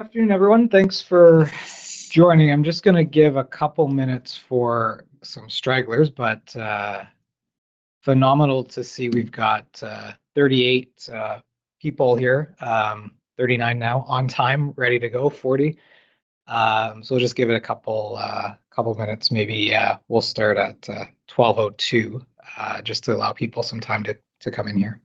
Afternoon, everyone. Thanks for joining. I'm just gonna give a couple minutes for some stragglers, but phenomenal to see we've got 38 people here, 39 now on time, ready to go, 40. We'll just give it a couple minutes maybe, we'll start at 12:02, just to allow people some time to come in here.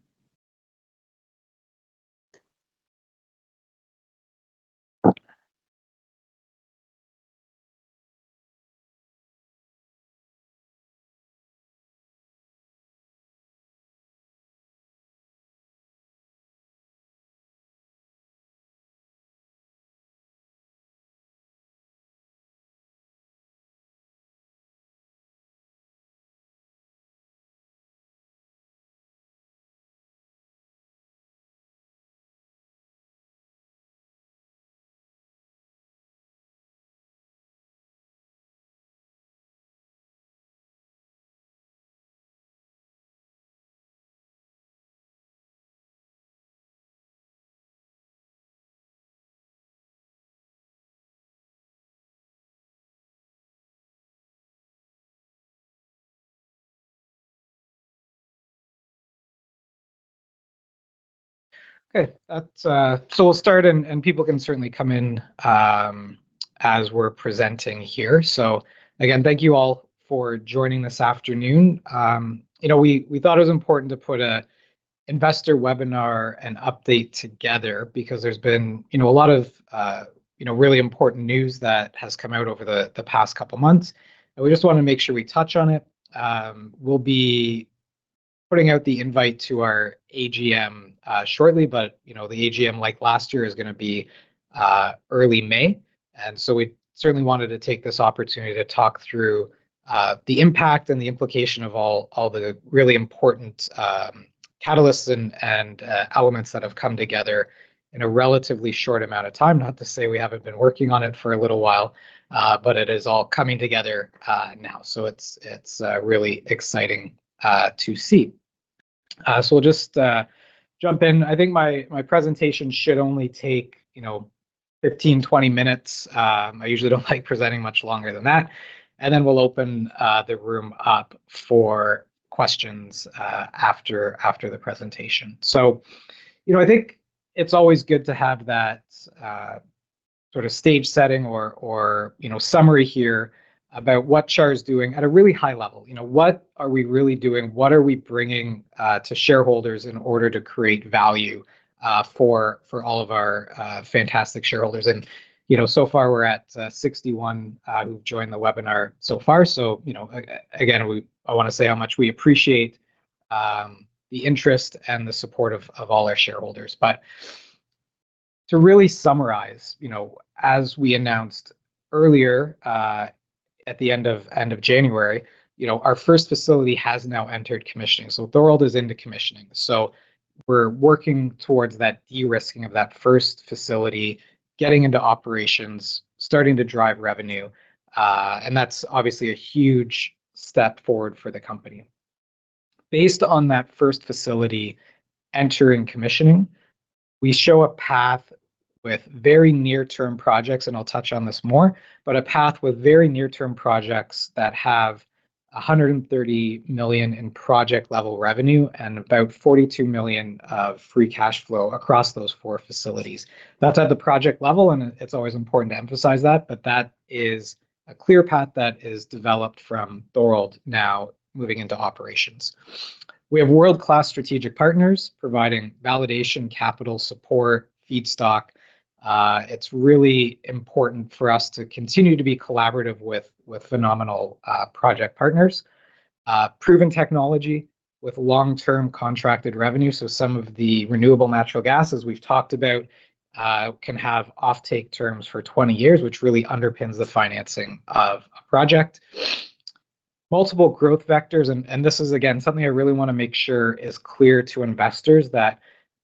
Okay, that's... We'll start, and people can certainly come in as we're presenting here. Again, thank you all for joining this afternoon. You know, we thought it was important to put a investor webinar and update together because there's been, you know, a lot of, you know, really important news that has come out over the past couple months, and we just wanna make sure we touch on it. We'll be putting out the invite to our AGM shortly, but, you know, the AGM, like last year, is gonna be early May. And so we certainly wanted to take this opportunity to talk through the impact and the implication of all, all the really important catalysts and elements that have come together in a relatively short amount of time. Not to say we haven't been working on it for a little while, but it is all coming together now, so it's really exciting to see. So we'll just jump in. I think my presentation should only take, you know, 15, 20 minutes. I usually don't like presenting much longer than that, and then we'll open the room up for questions after the presentation. So, you know, I think it's always good to have that sort of stage setting or, you know, summary here about what CHAR is doing at a really high level. You know, what are we really doing? What are we bringing to shareholders in order to create value for all of our fantastic shareholders? And, you know, so far we're at 61 who've joined the webinar so far. So, you know, again, I wanna say how much we appreciate the interest and the support of all our shareholders. But to really summarize, you know, as we announced earlier at the end of January, you know, our first facility has now entered commissioning, so Thorold is into commissioning. So we're working towards that de-risking of that first facility, getting into operations, starting to drive revenue, and that's obviously a huge step forward for the company. Based on that first facility entering commissioning, we show a path with very near-term projects, and I'll touch on this more, but a path with very near-term projects that have 130 million in project-level revenue and about 42 million of free cash flow across those four facilities. That's at the project level, and it's always important to emphasize that, but that is a clear path that is developed from Thorold now moving into operations. We have world-class strategic partners providing validation, capital support, feedstock. It's really important for us to continue to be collaborative with, with phenomenal project partners. Proven technology with long-term contracted revenue, so some of the renewable natural gas, as we've talked about, can have offtake terms for 20 years, which really underpins the financing of a project. Multiple growth vectors, and this is, again, something I really want to make sure is clear to investors, that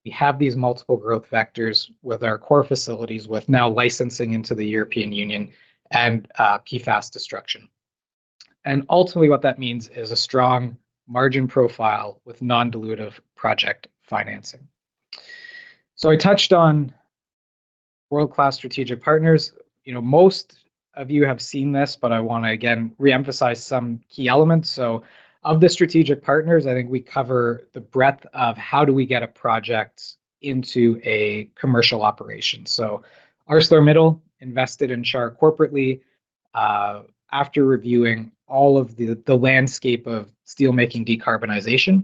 we have these multiple growth vectors with our core facilities, with now licensing into the European Union and PFAS destruction. And ultimately, what that means is a strong margin profile with non-dilutive project financing. So I touched on world-class strategic partners. You know, most of you have seen this, but I want to again re-emphasize some key elements. So of the strategic partners, I think we cover the breadth of how do we get a project into a commercial operation. Invested in CHAR Technologies Ltd. corporately, you know, after reviewing all of the landscape of steelmaking decarbonization.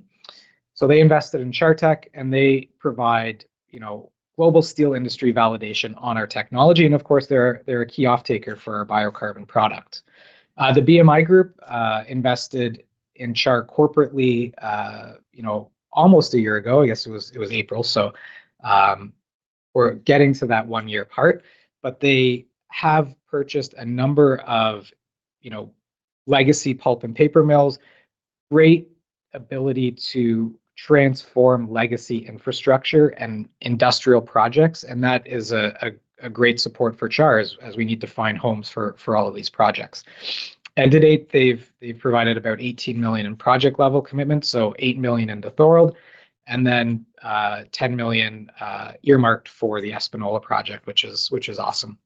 They invested in CHAR Technologies, and they provide, you know, global steel industry validation on our technology, and of course, they're a key offtaker for our biocarbon product. The BMI Group invested in CHAR Technologies corporately, you know, almost a year ago. I guess it was April, so we're getting to that one-year part. They have purchased a number of, you know, legacy pulp and paper mills, great ability to transform legacy infrastructure and industrial projects, and that is a great support for CHAR Technologies as we need to find homes for all of these projects. And to date, they've provided about 18 million in project level commitments, so 8 million into Thorold, and then, 10 million earmarked for the Espanola project, which is awesome.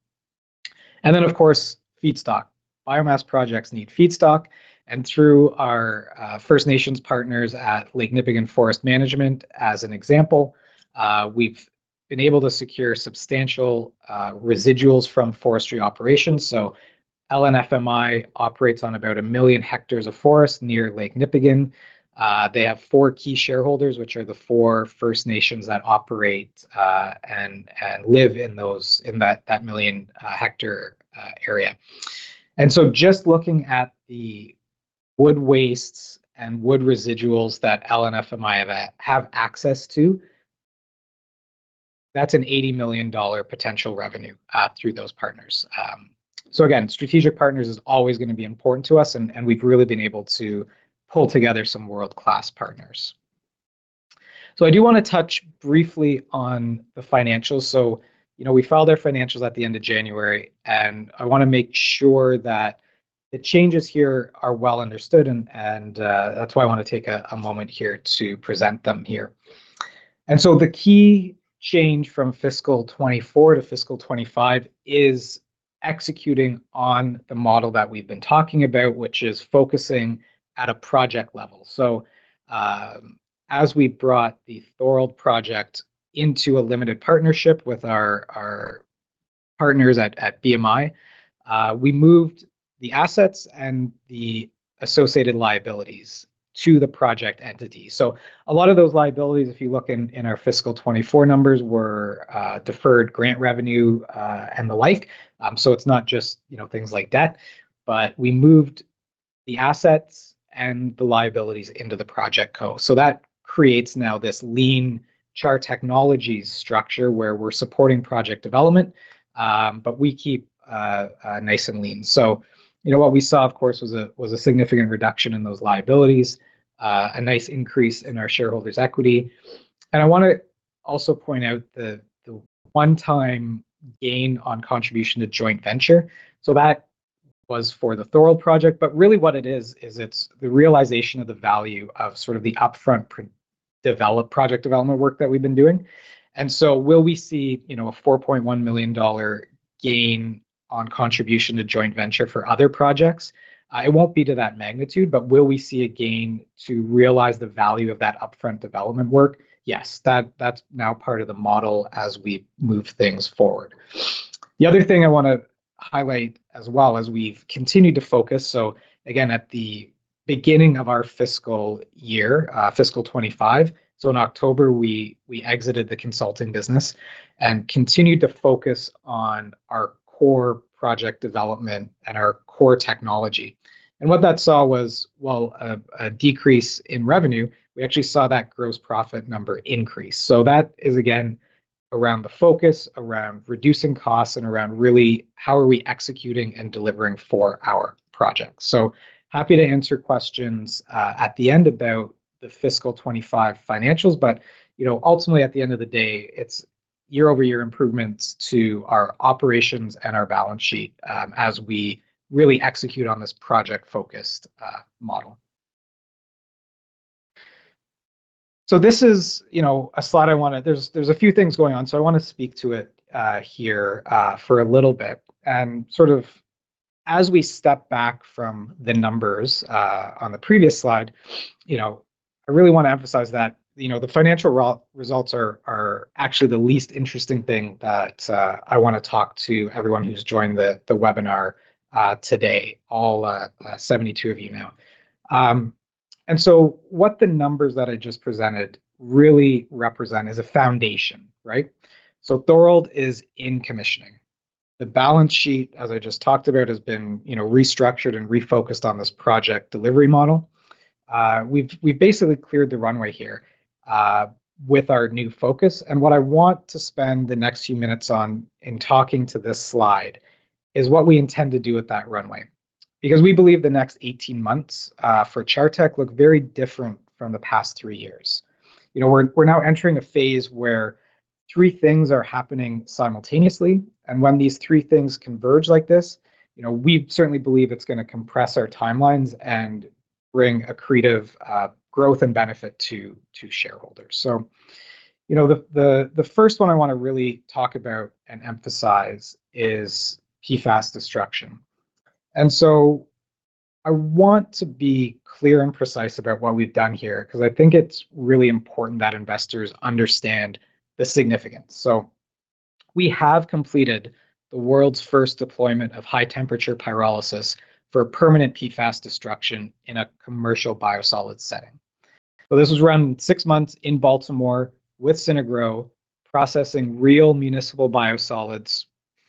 And then, of course, feedstock. Biomass projects need feedstock, and through our First Nations partners at Lake Nipigon Forest Management, as an example, we've been able to secure substantial residuals from forestry operations. So LNFMI operates on about 1 million hectares of forest near Lake Nipigon. They have four key shareholders, which are the four First Nations that operate and live in that million hectare area. And so just looking at the wood wastes and wood residuals that LNFMI have access to, that's a 80 million dollar potential revenue through those partners. So again, strategic partners is always gonna be important to us, and, and we've really been able to pull together some world-class partners. So I do wanna touch briefly on the financials. So, you know, we filed our financials at the end of January, and I wanna make sure that the changes here are well understood, and, and, that's why I wanna take a moment here to present them here. So the key change from fiscal 2024 to fiscal 2025 is executing on the model that we've been talking about, which is focusing at a project level. So, as we brought the Thorold project into a limited partnership with our partners at BMI, we moved the assets and the associated liabilities to the project entity. So a lot of those liabilities, if you look in our fiscal 2024 numbers, were deferred grant revenue and the like. So it's not just, you know, things like debt, but we moved the assets and the liabilities into the project co. So that creates now this lean CHAR Technologies structure, where we're supporting project development, but we keep nice and lean. So, you know, what we saw, of course, was a significant reduction in those liabilities, a nice increase in our shareholders' equity. And I wanna also point out the one-time gain on contribution to joint venture. So that was for the Thorold project, but really what it is, is it's the realization of the value of sort of the upfront pre-developed project development work that we've been doing. So will we see, you know, a 4.1 million dollar gain on contribution to joint venture for other projects? It won't be to that magnitude, but will we see a gain to realize the value of that upfront development work? Yes, that's now part of the model as we move things forward. The other thing I wanna highlight as well, as we've continued to focus, so again, at the beginning of our fiscal year, fiscal 2025, so in October, we exited the consulting business and continued to focus on our core project development and our core technology. What that saw was, while a decrease in revenue, we actually saw that gross profit number increase. That is, again, around the focus, around reducing costs, and around really how are we executing and delivering for our projects. So happy to answer questions at the end about the fiscal 2025 financials, but, you know, ultimately, at the end of the day, it's year-over-year improvements to our operations and our balance sheet as we really execute on this project-focused model. So this is, you know, a slide I wanted. There's a few things going on, so I wanna speak to it here for a little bit. And sort of as we step back from the numbers on the previous slide, you know, I really wanna emphasize that, you know, the financial results are actually the least interesting thing that I wanna talk to everyone who's joined the webinar today, all 72 of you now. And so what the numbers that I just presented really represent is a foundation, right? So Thorold is in commissioning. The balance sheet, as I just talked about, has been, you know, restructured and refocused on this project delivery model. We've basically cleared the runway here with our new focus, and what I want to spend the next few minutes on in talking to this slide is what we intend to do with that runway because we believe the next 18 months for CHAR Tech look very different from the past three years. You know, we're now entering a phase where three things are happening simultaneously, and when these three things converge like this, you know, we certainly believe it's gonna compress our timelines and bring accretive growth and benefit to shareholders. So, you know, the first one I wanna really talk about and emphasise is PFAS destruction. And so I want to be clear and precise about what we've done here, 'cause I think it's really important that investors understand the significance. So we have completed the world's first deployment of high-temperature pyrolysis for permanent PFAS destruction in a commercial biosolids setting. So this was run 6 months in Baltimore with Synagro, processing real municipal biosolids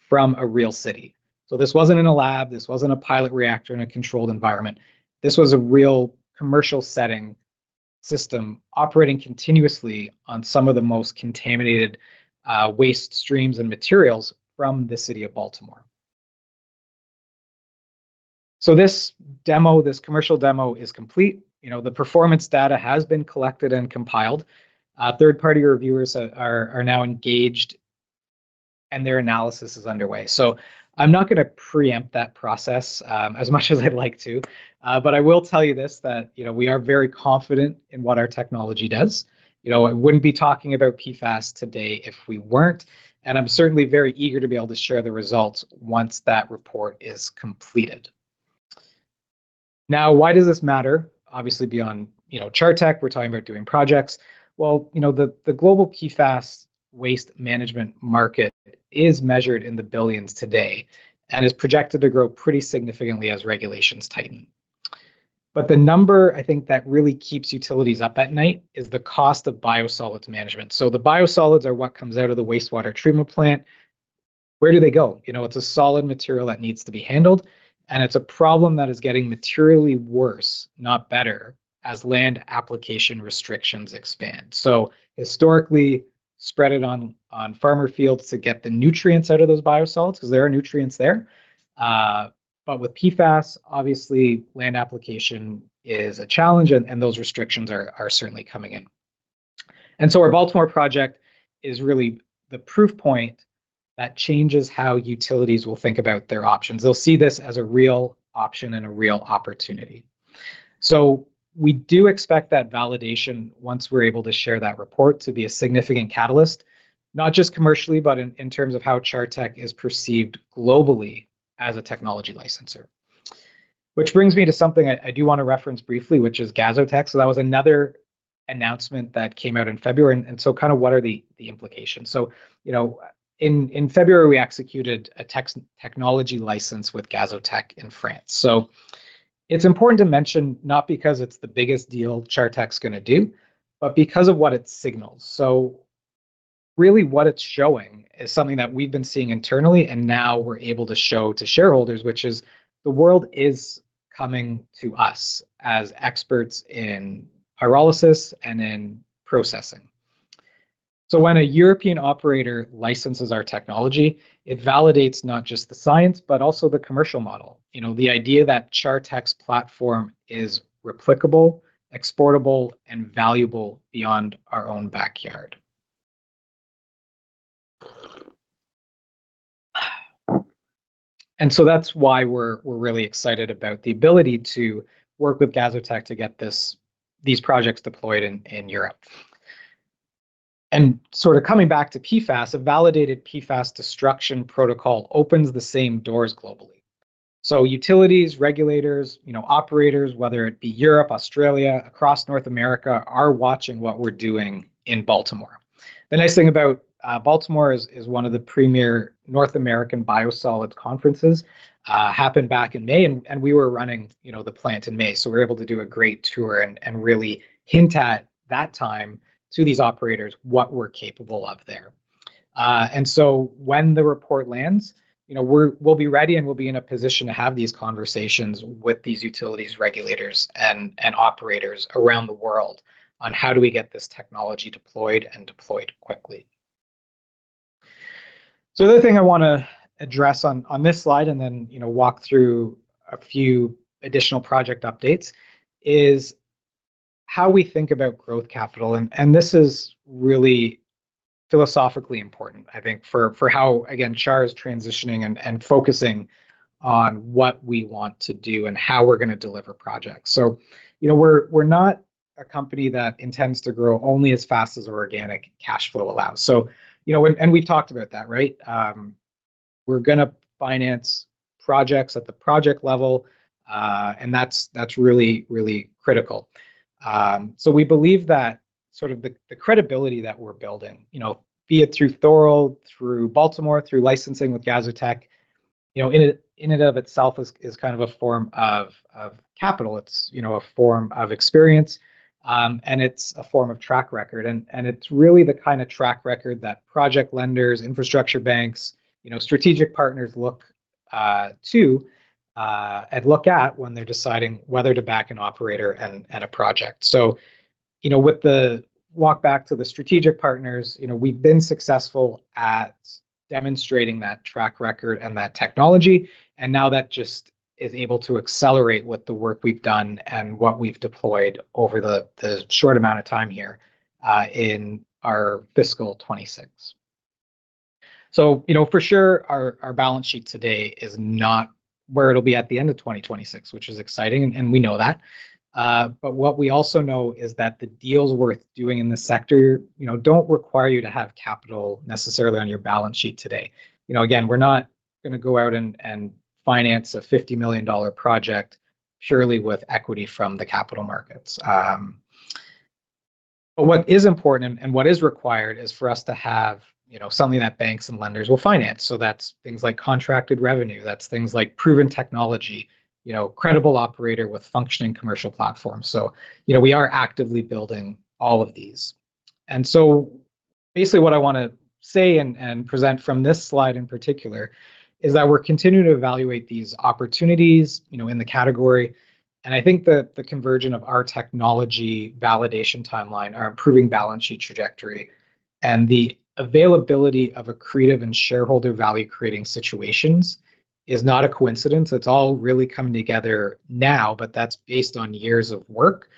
from a real city. So this wasn't in a lab. This wasn't a pilot reactor in a controlled environment. This was a real commercial setting system operating continuously on some of the most contaminated waste streams and materials from the city of Baltimore. So this demo, this commercial demo, is complete. You know, the performance data has been collected and compiled. Third-party reviewers are now engaged, and their analysis is underway. So I'm not gonna preempt that process, as much as I'd like to, but I will tell you this, that, you know, we are very confident in what our technology does. You know, I wouldn't be talking about PFAS today if we weren't, and I'm certainly very eager to be able to share the results once that report is completed. Now, why does this matter? Obviously, beyond, you know, CHAR Tech, we're talking about doing projects. Well, you know, the, the global PFAS waste management market is measured in the billions today and is projected to grow pretty significantly as regulations tighten. But the number I think that really keeps utilities up at night is the cost of biosolids management. So the biosolids are what comes out of the wastewater treatment plant. Where do they go? You know, it's a solid material that needs to be handled, and it's a problem that is getting materially worse, not better, as land application restrictions expand. So historically, spread it on farmer fields to get the nutrients out of those biosolids, 'cause there are nutrients there. But with PFAS, obviously land application is a challenge, and those restrictions are certainly coming in. So our Baltimore project is really the proof point that changes how utilities will think about their options. They'll see this as a real option and a real opportunity. So we do expect that validation, once we're able to share that report, to be a significant catalyst, not just commercially, but in terms of how CHAR Tech is perceived globally as a technology licensor. Which brings me to something I do wanna reference briefly, which is GazoTech. So that was another announcement that came out in February, and so kind of what are the implications? So, you know, in February, we executed a technology license with GazoTech in France. So it's important to mention, not because it's the biggest deal CHAR Tech's gonna do, but because of what it signals. So really what it's showing is something that we've been seeing internally, and now we're able to show to shareholders, which is the world is coming to us as experts in pyrolysis and in processing. So when a European operator licenses our technology, it validates not just the science, but also the commercial model. You know, the idea that CHAR Tech's platform is replicable, exportable, and valuable beyond our own backyard. And so that's why we're really excited about the ability to work with GazoTech to get these projects deployed in Europe. Sort of coming back to PFAS, a validated PFAS destruction protocol opens the same doors globally. Utilities, regulators, you know, operators, whether it be Europe, Australia, across North America, are watching what we're doing in Baltimore. The nice thing about Baltimore is, is one of the premier North American biosolids conferences happened back in May, and we were running, you know, the plant in May. We were able to do a great tour and really hint at that time to these operators what we're capable of there. And so when the report lands, you know, we'll be ready, and we'll be in a position to have these conversations with these utilities, regulators, and operators around the world on how do we get this technology deployed and deployed quickly. So the other thing I wanna address on this slide, and then, you know, walk through a few additional project updates, is how we think about growth capital. This is really philosophically important, I think, for how, again, CHAR is transitioning and focusing on what we want to do and how we're gonna deliver projects. You know, we're not a company that intends to grow only as fast as our organic cash flow allows. You know, we've talked about that, right? We're gonna finance projects at the project level, and that's really critical. So we believe that the credibility that we're building, you know, be it through Thorold, through Baltimore, through licensing with GazoTech, you know, in and of itself is kind of a form of capital. It's, you know, a form of experience, and it's a form of track record. And it's really the kind of track record that project lenders, infrastructure banks, you know, strategic partners look to and look at when they're deciding whether to back an operator and a project. So, you know, with the walk back to the strategic partners, you know, we've been successful at demonstrating that track record and that technology, and now that just is able to accelerate with the work we've done and what we've deployed over the short amount of time here in our fiscal 2026. So, you know, for sure, our balance sheet today is not where it'll be at the end of 2026, which is exciting, and we know that. But what we also know is that the deals worth doing in this sector, you know, don't require you to have capital necessarily on your balance sheet today. You know, again, we're not gonna go out and, and finance a 50 million dollar project purely with equity from the capital markets. But what is important and what is required is for us to have, you know, something that banks and lenders will finance. So that's things like contracted revenue, that's things like proven technology, you know, credible operator with functioning commercial platforms. So, you know, we are actively building all of these. And so basically what I wanna say and, and present from this slide in particular is that we're continuing to evaluate these opportunities, you know, in the category. And I think the conversion of our technology validation timeline, our improving balance sheet trajectory, and the availability of accretive and shareholder value-creating situations is not a coincidence. It's all really coming together now, but that's based on years of work,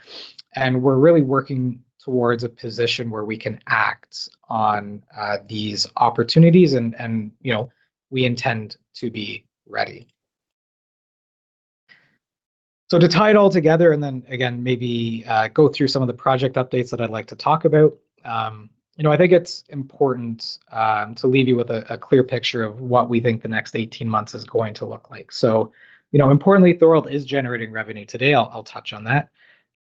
and we're really working towards a position where we can act on these opportunities, and you know, we intend to be ready.... So to tie it all together, and then again, maybe go through some of the project updates that I'd like to talk about. You know, I think it's important to leave you with a clear picture of what we think the next 18 months is going to look like. So, you know, importantly, Thorold is generating revenue today. I'll touch on that.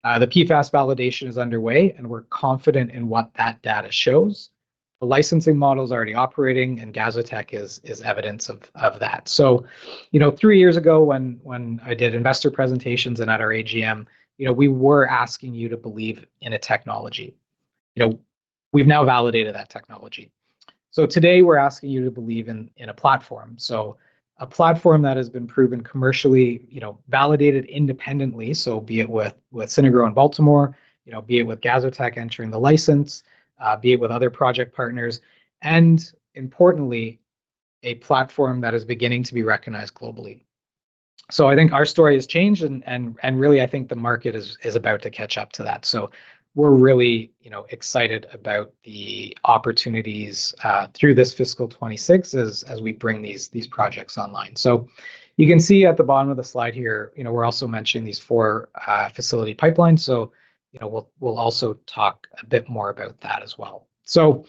The PFAS validation is underway, and we're confident in what that data shows. The licensing model's already operating, and GazoTech is evidence of that. So, you know, three years ago, when I did investor presentations and at our AGM, you know, we were asking you to believe in a technology. You know, we've now validated that technology. So today we're asking you to believe in a platform. So a platform that has been proven commercially, you know, validated independently, so be it with Synagro in Baltimore, you know, be it with GazoTech entering the license, be it with other project partners, and importantly, a platform that is beginning to be recognized globally. So I think our story has changed, and really, I think the market is about to catch up to that. So we're really, you know, excited about the opportunities through this fiscal 2026 as we bring these projects online. So you can see at the bottom of the slide here, you know, we're also mentioning these four facility pipelines. So, you know, we'll also talk a bit more about that as well. So,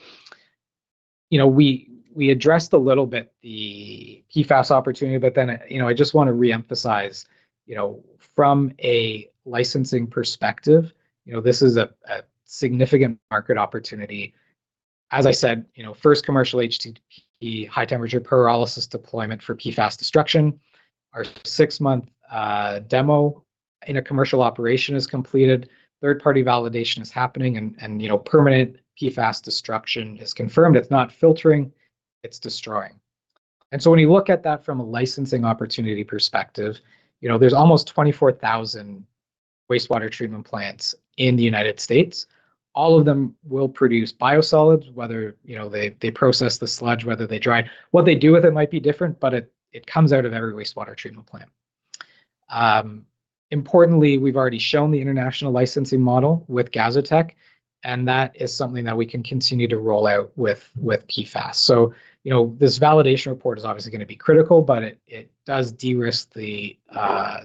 you know, we addressed a little bit the PFAS opportunity, but then, you know, I just want to re-emphasize, you know, from a licensing perspective, you know, this is a significant market opportunity. As I said, you know, first commercial HTP, high temperature pyrolysis deployment for PFAS destruction. Our six-month demo in a commercial operation is completed, third-party validation is happening, and, you know, permanent PFAS destruction is confirmed. It's not filtering, it's destroying. And so when you look at that from a licensing opportunity perspective, you know, there's almost 24,000 wastewater treatment plants in the United States. All of them will produce biosolids, whether, you know, they, they process the sludge, whether they dry it. What they do with it might be different, but it, it comes out of every wastewater treatment plant. Importantly, we've already shown the international licensing model with GazoTech, and that is something that we can continue to roll out with, with PFAS. So, you know, this validation report is obviously going to be critical, but it, it does de-risk the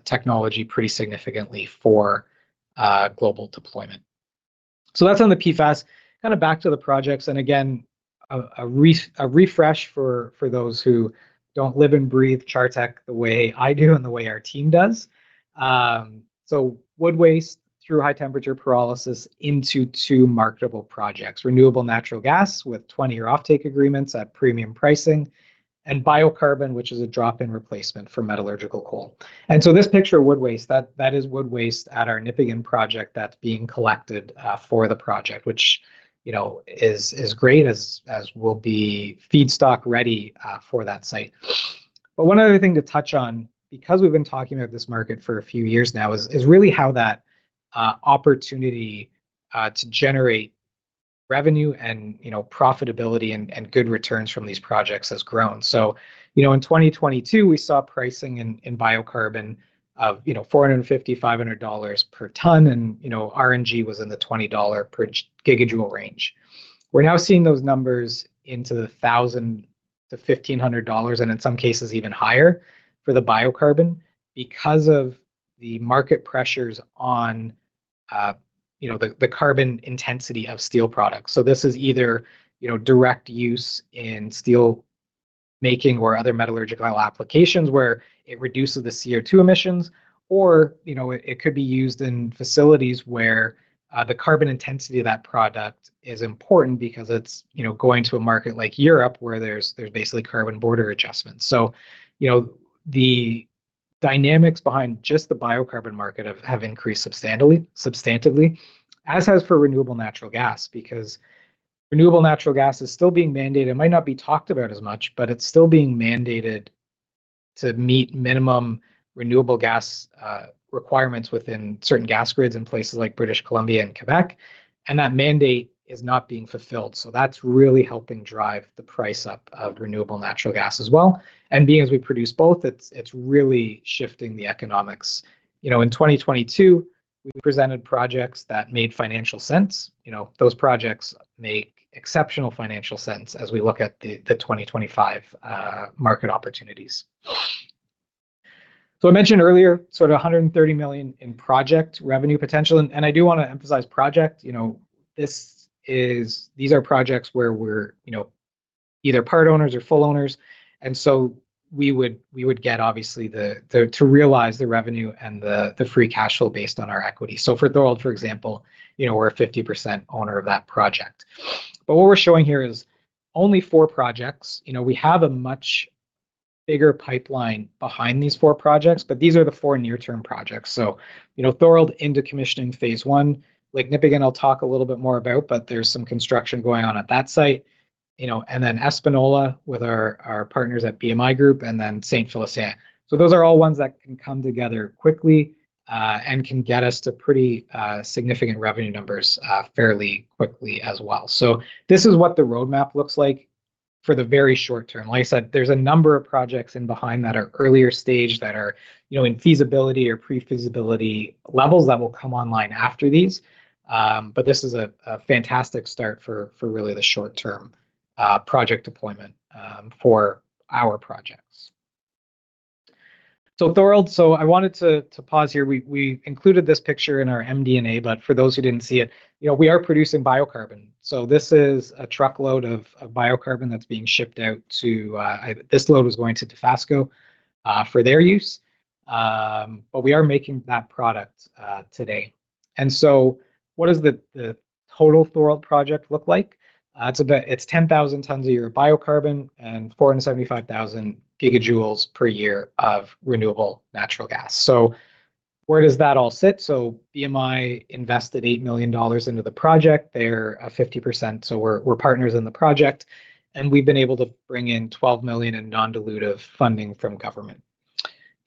technology pretty significantly for global deployment. So that's on the PFAS. Kind of back to the projects, and again, a refresh for those who don't live and breathe CHAR Technologies the way I do and the way our team does. So, wood waste through high-temperature pyrolysis into two marketable projects: renewable natural gas, with 20-year off-take agreements at premium pricing, and biocarbon, which is a drop-in replacement for metallurgical coal. And so this picture of wood waste, that is wood waste at our Nipigon project that's being collected for the project, which, you know, is great as will be feedstock ready for that site. But one other thing to touch on, because we've been talking about this market for a few years now, is really how that opportunity to generate revenue and, you know, profitability and good returns from these projects has grown. So, you know, in 2022, we saw pricing in biocarbon of, you know, $450-$500 per ton, and, you know, RNG was in the $20 per gigajoule range. We're now seeing those numbers into $1,000-$1,500, and in some cases, even higher for the biocarbon because of the market pressures on, you know, the, the carbon intensity of steel products. So this is either, you know, direct use in steel making or other metallurgical applications where it reduces the CO2 emissions, or, you know, it, it could be used in facilities where, the carbon intensity of that product is important because it's, you know, going to a market like Europe, where there's, there's basically carbon border adjustments. So, you know, the dynamics behind just the biocarbon market have increased substantively, as has for renewable natural gas. Because renewable natural gas is still being mandated. It might not be talked about as much, but it's still being mandated to meet minimum renewable gas requirements within certain gas grids in places like British Columbia and Quebec, and that mandate is not being fulfilled. So that's really helping drive the price up of renewable natural gas as well. And being as we produce both, it's really shifting the economics. You know, in 2022, we presented projects that made financial sense. You know, those projects make exceptional financial sense as we look at the 2025 market opportunities. So I mentioned earlier, sort of 130 million in project revenue potential, and I do want to emphasize project. You know, this is... These are projects where we're, you know, either part owners or full owners, and so we would, we would get, obviously, the, the, to realize the revenue and the, the free cash flow based on our equity. So for Thorold, for example, you know, we're a 50% owner of that project. But what we're showing here is only four projects. You know, we have a much bigger pipeline behind these four projects, but these are the four near-term projects. So, you know, Thorold into commissioning phase one. Like Nipigon, I'll talk a little bit more about, but there's some construction going on at that site. You know, and then Espanola, with our, our partners at BMI Group, and then Saint-Félicien. So those are all ones that can come together quickly, and can get us to pretty significant revenue numbers fairly quickly as well. So this is what the roadmap looks like for the very short term. Like I said, there's a number of projects in behind that are earlier stage, that are, you know, in feasibility or pre-feasibility levels that will come online after these. But this is a fantastic start for really the short term project deployment for our projects. So Thorold, I wanted to pause here. We included this picture in our MD&A, but for those who didn't see it, you know, we are producing biocarbon. So this is a truckload of biocarbon that's being shipped out to... This load was going to Dofasco for their use. But we are making that product today. And so what does the total Thorold project look like? It's about 10,000 tons a year of biocarbon and 475,000 gigajoules per year of renewable natural gas. So where does that all sit? So BMI invested 8 million dollars into the project. They're 50% so we're partners in the project, and we've been able to bring in 12 million in non-dilutive funding from government.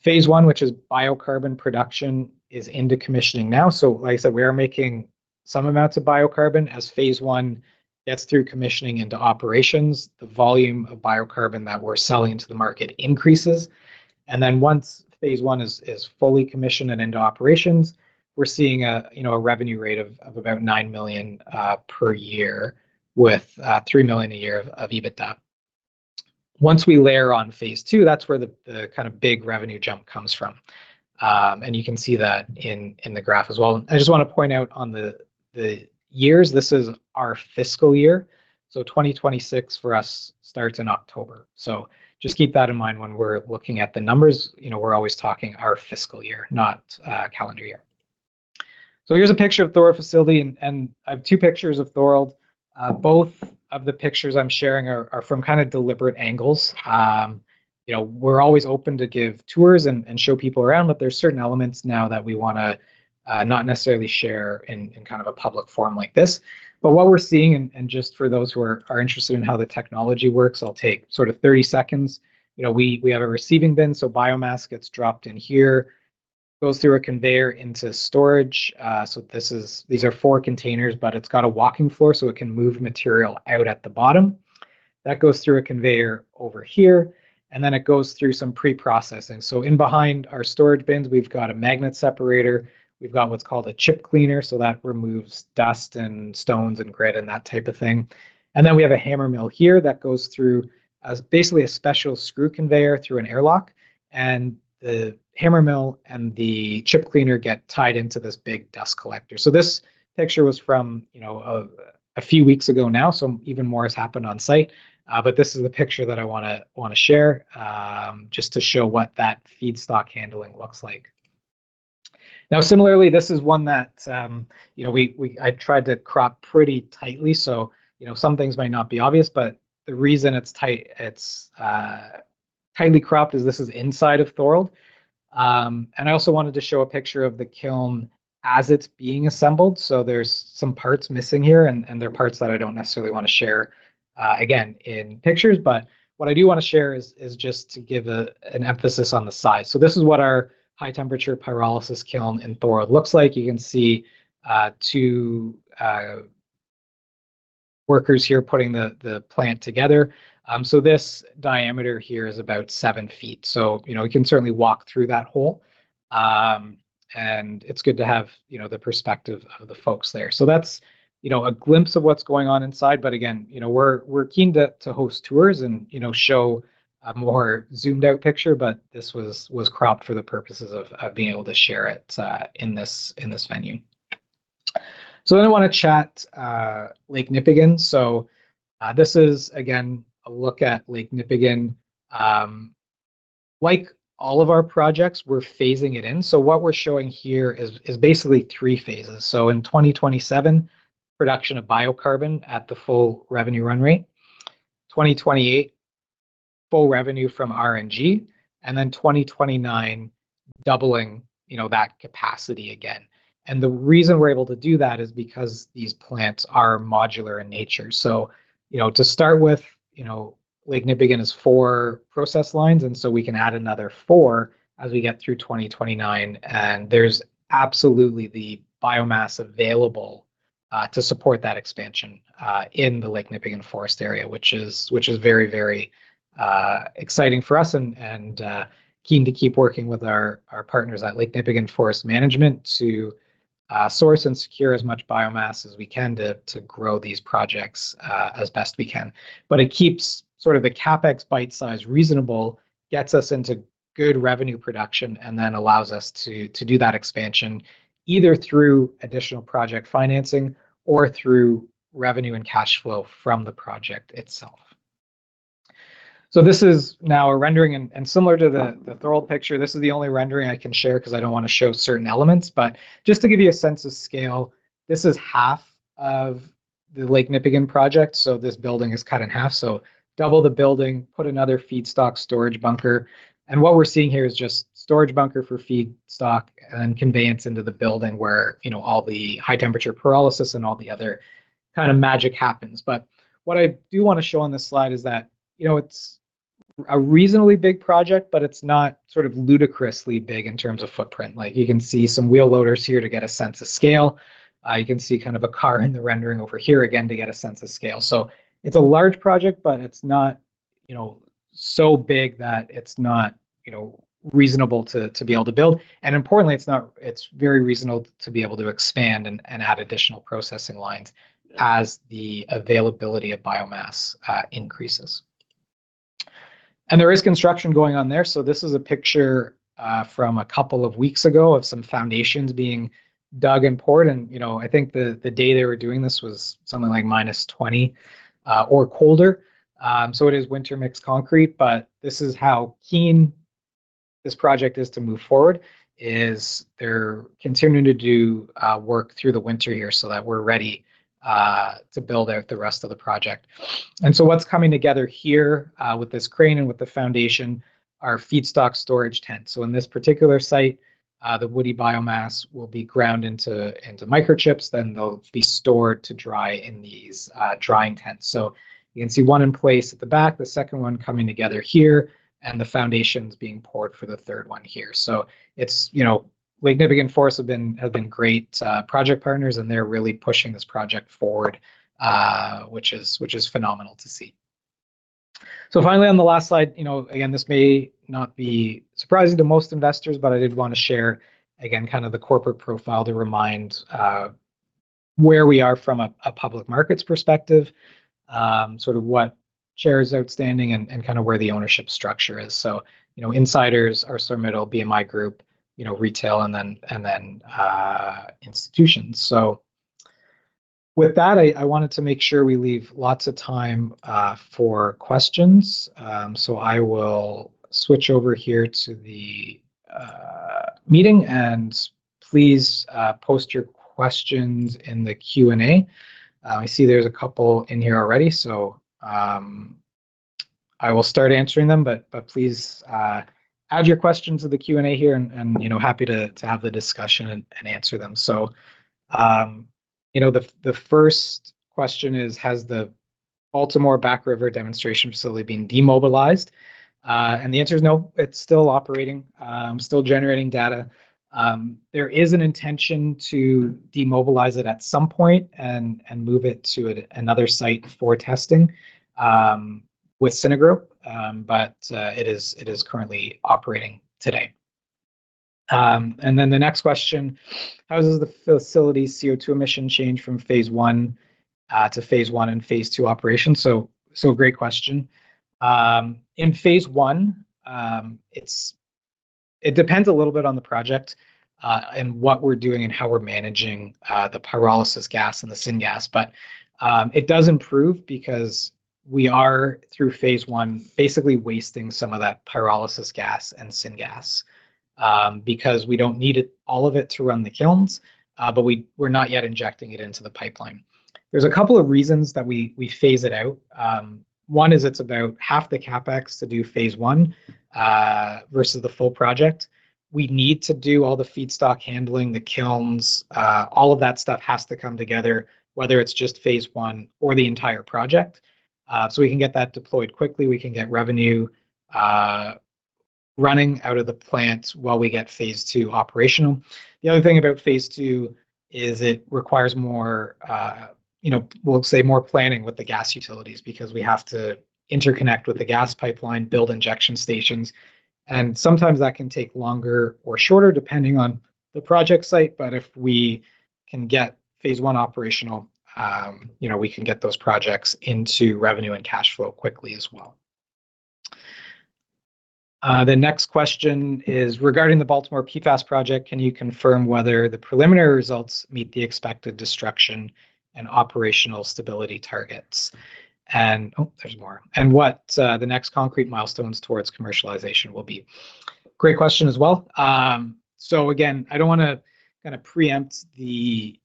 Phase one, which is biocarbon production, is into commissioning now. So like I said, we are making some amounts of biocarbon. As phase one gets through commissioning into operations, the volume of biocarbon that we're selling to the market increases, and then once phase one is fully commissioned and into operations, we're seeing a, you know, a revenue rate of about 9 million per year, with 3 million a year of EBITDA. Once we layer on phase two, that's where the kind of big revenue jump comes from. And you can see that in the graph as well. I just want to point out on the years, this is our fiscal year, so 2026 for us starts in October. So just keep that in mind when we're looking at the numbers. You know, we're always talking our fiscal year, not calendar year. So here's a picture of Thorold facility, and I have two pictures of Thorold. Both of the pictures I'm sharing are from kind of deliberate angles. You know, we're always open to give tours and show people around, but there's certain elements now that we want to not necessarily share in kind of a public forum like this. But what we're seeing, and just for those who are interested in how the technology works, I'll take sort of 30 seconds. You know, we have a receiving bin, so biomass gets dropped in here, goes through a conveyor into storage. So this is... These are four containers, but it's got a walking floor, so it can move material out at the bottom. That goes through a conveyor over here, and then it goes through some pre-processing. So in behind our storage bins, we've got a magnet separator. We've got what's called a chip cleaner, so that removes dust and stones and grit and that type of thing. And then we have a hammer mill here that goes through, basically a special screw conveyor through an airlock, and the hammer mill and the chip cleaner get tied into this big dust collector. This picture was from, you know, a few weeks ago now, so even more has happened on site. This is the picture that I wanna, wanna share, you know, just to show what that feedstock handling looks like. Now, similarly, this is one that, you know, we, we... I tried to crop pretty tightly, so, you know, some things might not be obvious. The reason it's tightly cropped is this is inside of Thorold. I also wanted to show a picture of the kiln as it's being assembled, so there's some parts missing here, and they're parts that I don't necessarily want to share, again, in pictures. What I do want to share is just to give an emphasis on the size. This is what our high-temperature pyrolysis kiln in Thorold looks like. You can see, two workers here putting the plant together. So this diameter here is about seven feet. So, you know, you can certainly walk through that hole. And it's good to have, you know, the perspective of the folks there. So that's, you know, a glimpse of what's going on inside. But again, you know, we're keen to host tours and, you know, show a more zoomed out picture, but this was cropped for the purposes of being able to share it in this venue. So then I want to chat Lake Nipigon. So this is, again, a look at Lake Nipigon. Like all of our projects, we're phasing it in. So what we're showing here is basically three phases. So in 2027, production of biocarbon at the full revenue run rate. 2028, full revenue from RNG, and then 2029, doubling, you know, that capacity again. The reason we're able to do that is because these plants are modular in nature. So, you know, to start with, you know, Lake Nipigon is 4 process lines, and so we can add another 4 as we get through 2029, and there's absolutely the biomass available to support that expansion in the Lake Nipigon forest area, which is very, very exciting for us and keen to keep working with our partners at Lake Nipigon Forest Management to source and secure as much biomass as we can to grow these projects as best we can. But it keeps sort of the CapEx bite-size reasonable, gets us into good revenue production, and then allows us to, to do that expansion, either through additional project financing or through revenue and cash flow from the project itself. So this is now a rendering, and, and similar to the, the Thorold picture, this is the only rendering I can share, 'cause I don't want to show certain elements. But just to give you a sense of scale, this is half of the Lake Nipigon project, so this building is cut in half. So double the building, put another feedstock storage bunker, and what we're seeing here is just storage bunker for feedstock and conveyance into the building where, you know, all the high-temperature pyrolysis and all the other kind of magic happens. But what I do want to show on this slide is that, you know, it's a reasonably big project, but it's not sort of ludicrously big in terms of footprint. Like, you can see some wheel loaders here to get a sense of scale. You can see kind of a car in the rendering over here, again, to get a sense of scale. So it's a large project, but it's not, you know, so big that it's not, you know, reasonable to, to be able to build, and importantly, it's not. It's very reasonable to be able to expand and, and add additional processing lines as the availability of biomass increases. And there is construction going on there, so this is a picture from a couple of weeks ago of some foundations being dug and poured. You know, I think the day they were doing this was something like -20 or colder. So it is winter mixed concrete, but this is how keen this project is to move forward; they're continuing to do work through the winter here so that we're ready to build out the rest of the project. So what's coming together here with this crane and with the foundation are feedstock storage tents. In this particular site, the woody biomass will be ground into microchips, then they'll be stored to dry in these drying tents. You can see one in place at the back, the second one coming together here, and the foundations being poured for the third one here. So it's, you know, Magneforce have been great project partners, and they're really pushing this project forward, which is phenomenal to see. So finally, on the last slide, you know, again, this may not be surprising to most investors, but I did want to share, again, kind of the corporate profile to remind where we are from a public markets perspective, sort of what shares outstanding and kind of where the ownership structure is. So, you know, insiders are sort of, BMI Group, you know, retail, and then institutions. So with that, I wanted to make sure we leave lots of time for questions. So I will switch over here to the meeting, and please post your questions in the Q&A. I see there's a couple in here already, so I will start answering them, but please add your questions to the Q&A here, and you know, happy to have the discussion and answer them. So you know, the first question is, "Has the Baltimore Back River demonstration facility been demobilized?" And the answer is no. It's still operating, still generating data. There is an intention to demobilize it at some point and move it to another site for testing with Synagro, but it is currently operating today. And then the next question: "How does the facility's CO2 emission change from phase one to phase one and phase two operations?" So great question. In phase one, it's... It depends a little bit on the project, and what we're doing and how we're managing the pyrolysis gas and the syngas. It does improve because we are, through phase one, basically wasting some of that pyrolysis gas and syngas, because we don't need all of it to run the kilns, but we're not yet injecting it into the pipeline. There's a couple of reasons that we phase it out. One is it's about half the CapEx to do phase one versus the full project. We need to do all the feedstock handling, the kilns, all of that stuff has to come together, whether it's just phase one or the entire project. We can get that deployed quickly, we can get revenue running out of the plant while we get phase two operational. The other thing about phase two is it requires more, you know, we'll say more planning with the gas utilities, because we have to interconnect with the gas pipeline, build injection stations, and sometimes that can take longer or shorter, depending on the project site. But if we can get phase one operational, you know, we can get those projects into revenue and cash flow quickly as well. The next question is: "Regarding the Baltimore PFAS project, can you confirm whether the preliminary results meet the expected destruction and operational stability targets? And..." Oh, there's more. "And what, the next concrete milestones towards commercialization will be?" Great question as well. So again, I don't want to kind of preempt the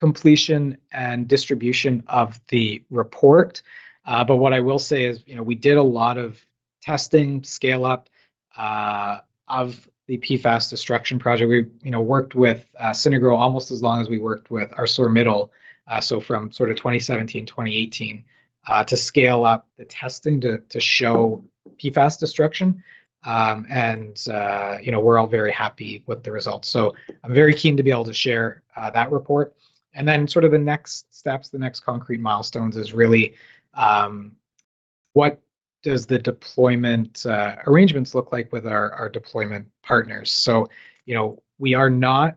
completion and distribution of the report, but what I will say is, you know, we did a lot of testing, scale up, of the PFAS destruction project. We, you know, worked with Synagro almost as long as we worked with our core. So from sort of 2017, 2018, to scale up the testing to show PFAS destruction. And you know, we're all very happy with the results, so I'm very keen to be able to share that report. Then sort of the next steps, the next concrete milestones is really what does the deployment arrangements look like with our deployment partners? So, you know, we are not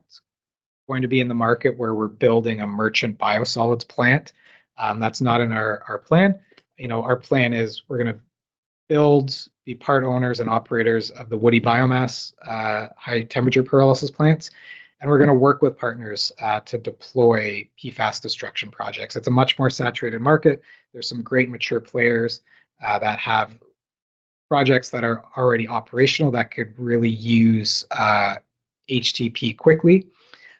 going to be in the market where we're building a merchant biosolids plant. That's not in our plan. You know, our plan is we're going to build, be part owners and operators of the woody biomass high-temperature pyrolysis plants, and we're going to work with partners to deploy PFAS destruction projects. It's a much more saturated market. There's some great mature players that have projects that are already operational that could really use HTP quickly.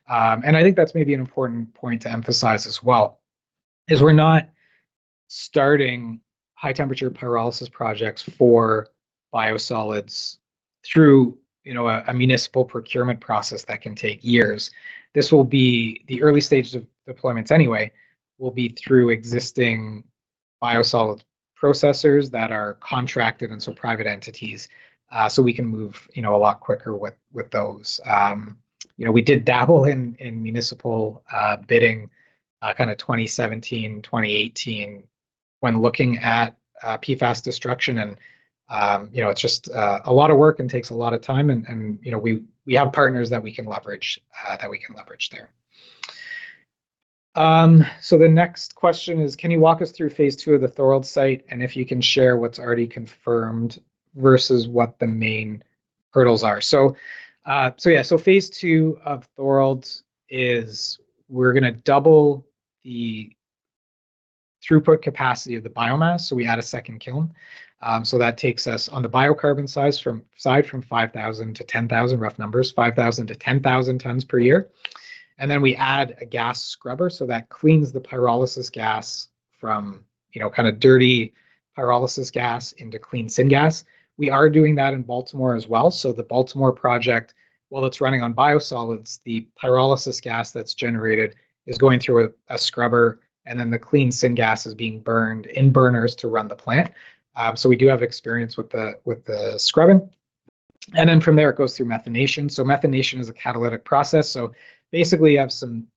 And I think that's maybe an important point to emphasize as well, is we're not starting high-temperature pyrolysis projects for biosolids through you know, a municipal procurement process that can take years. This will be, the early stages of deployments anyway, will be through existing biosolids processors that are contracted, and so private entities so we can move you know, a lot quicker with those. You know, we did dabble in municipal bidding kind of 2017, 2018 when looking at PFAS destruction. You know, it's just a lot of work and takes a lot of time, and you know, we have partners that we can leverage there. So the next question is: "Can you walk us through phase two of the Thorold site? And if you can share what's already confirmed versus what the main hurdles are." So yeah, so phase two of Thorold is we're gonna double the throughput capacity of the biomass, so we add a second kiln. So that takes us on the biocarbon size from 5,000 to 10,000, rough numbers, 5,000-10,000 tons per year. And then we add a gas scrubber, so that cleans the pyrolysis gas from, you know, kind of dirty pyrolysis gas into clean syngas. We are doing that in Baltimore as well. So the Baltimore project, while it's running on biosolids, the pyrolysis gas that's generated is going through a scrubber, and then the clean syngas is being burned in burners to run the plant. So we do have experience with the scrubbing, and then from there, it goes through methanation. So methanation is a catalytic process. So basically, you have some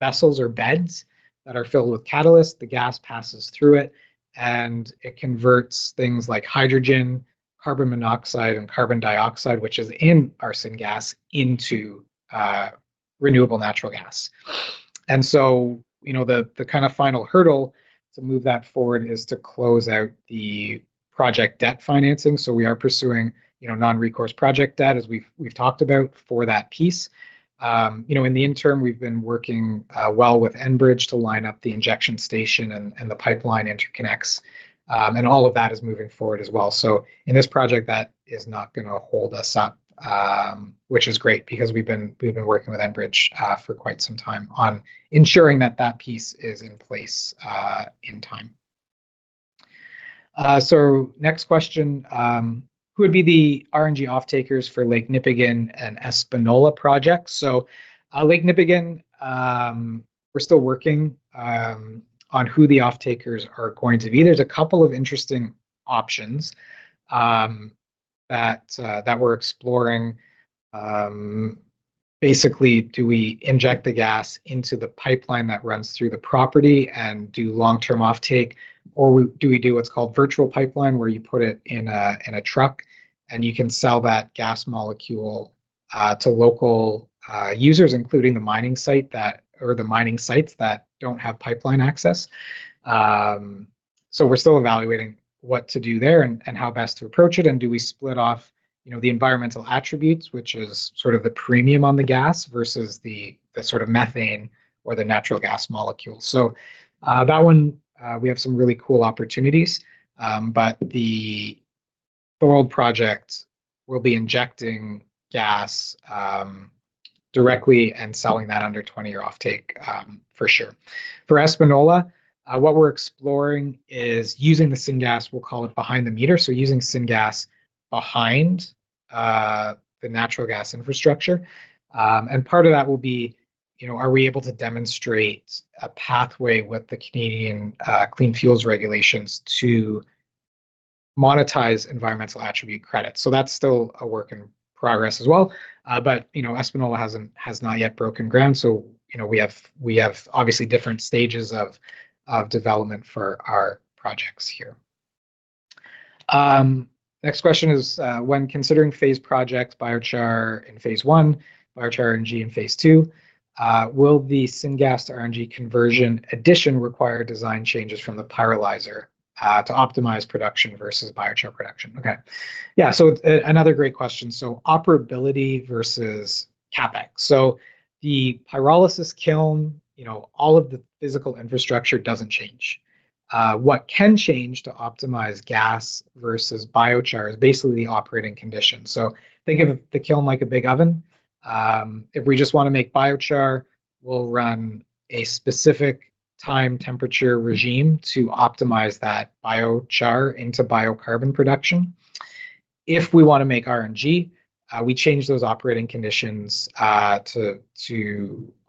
vessels or beds that are filled with catalyst. The gas passes through it, and it converts things like hydrogen, carbon monoxide, and carbon dioxide, which is in our syngas, into renewable natural gas. And so, you know, the kind of final hurdle to move that forward is to close out the project debt financing. So we are pursuing, you know, non-recourse project debt, as we've talked about, for that piece. You know, in the interim, we've been working, well with Enbridge to line up the injection station and the pipeline interconnects, and all of that is moving forward as well. So in this project, that is not gonna hold us up, which is great, because we've been working with Enbridge for quite some time on ensuring that that piece is in place, in time. So next question: "Who would be the RNG off-takers for Lake Nipigon and Espanola projects?" So, Lake Nipigon, we're still working on who the off-takers are going to be. There's a couple of interesting options that we're exploring. Basically, do we inject the gas into the pipeline that runs through the property and do long-term off-take, or do we do what's called virtual pipeline, where you put it in a truck, and you can sell that gas molecule to local users, including the mining site that or the mining sites that don't have pipeline access? So we're still evaluating what to do there and how best to approach it, and do we split off, you know, the environmental attributes, which is sort of the premium on the gas, versus the sort of methane or the natural gas molecules. So, that one, we have some really cool opportunities, but the Thorold project will be injecting gas, directly and selling that under 20-year off-take, for sure. For Espanola, what we're exploring is using the syngas, we'll call it behind the meter, so using syngas behind, the natural gas infrastructure. And part of that will be, you know, are we able to demonstrate a pathway with the Canadian, Clean Fuels Regulations to monetize environmental attribute credits? So that's still a work in progress as well, but, you know, Espanola hasn't- has not yet broken ground, so, you know, we have, we have obviously different stages of, development for our projects here. Next question is: "When considering phase projects, biochar in phase one, biochar RNG in phase two, will the syngas to RNG conversion addition require design changes from the pyrolyzer to optimize production versus biochar production?" Okay. Yeah, so another great question. So operability versus CapEx. So the pyrolysis kiln, you know, all of the physical infrastructure doesn't change. What can change to optimize gas versus biochar is basically the operating conditions. So think of the kiln like a big oven. If we just wanna make biochar, we'll run a specific time temperature regime to optimize that biochar into biocarbon production. If we want to make RNG, we change those operating conditions to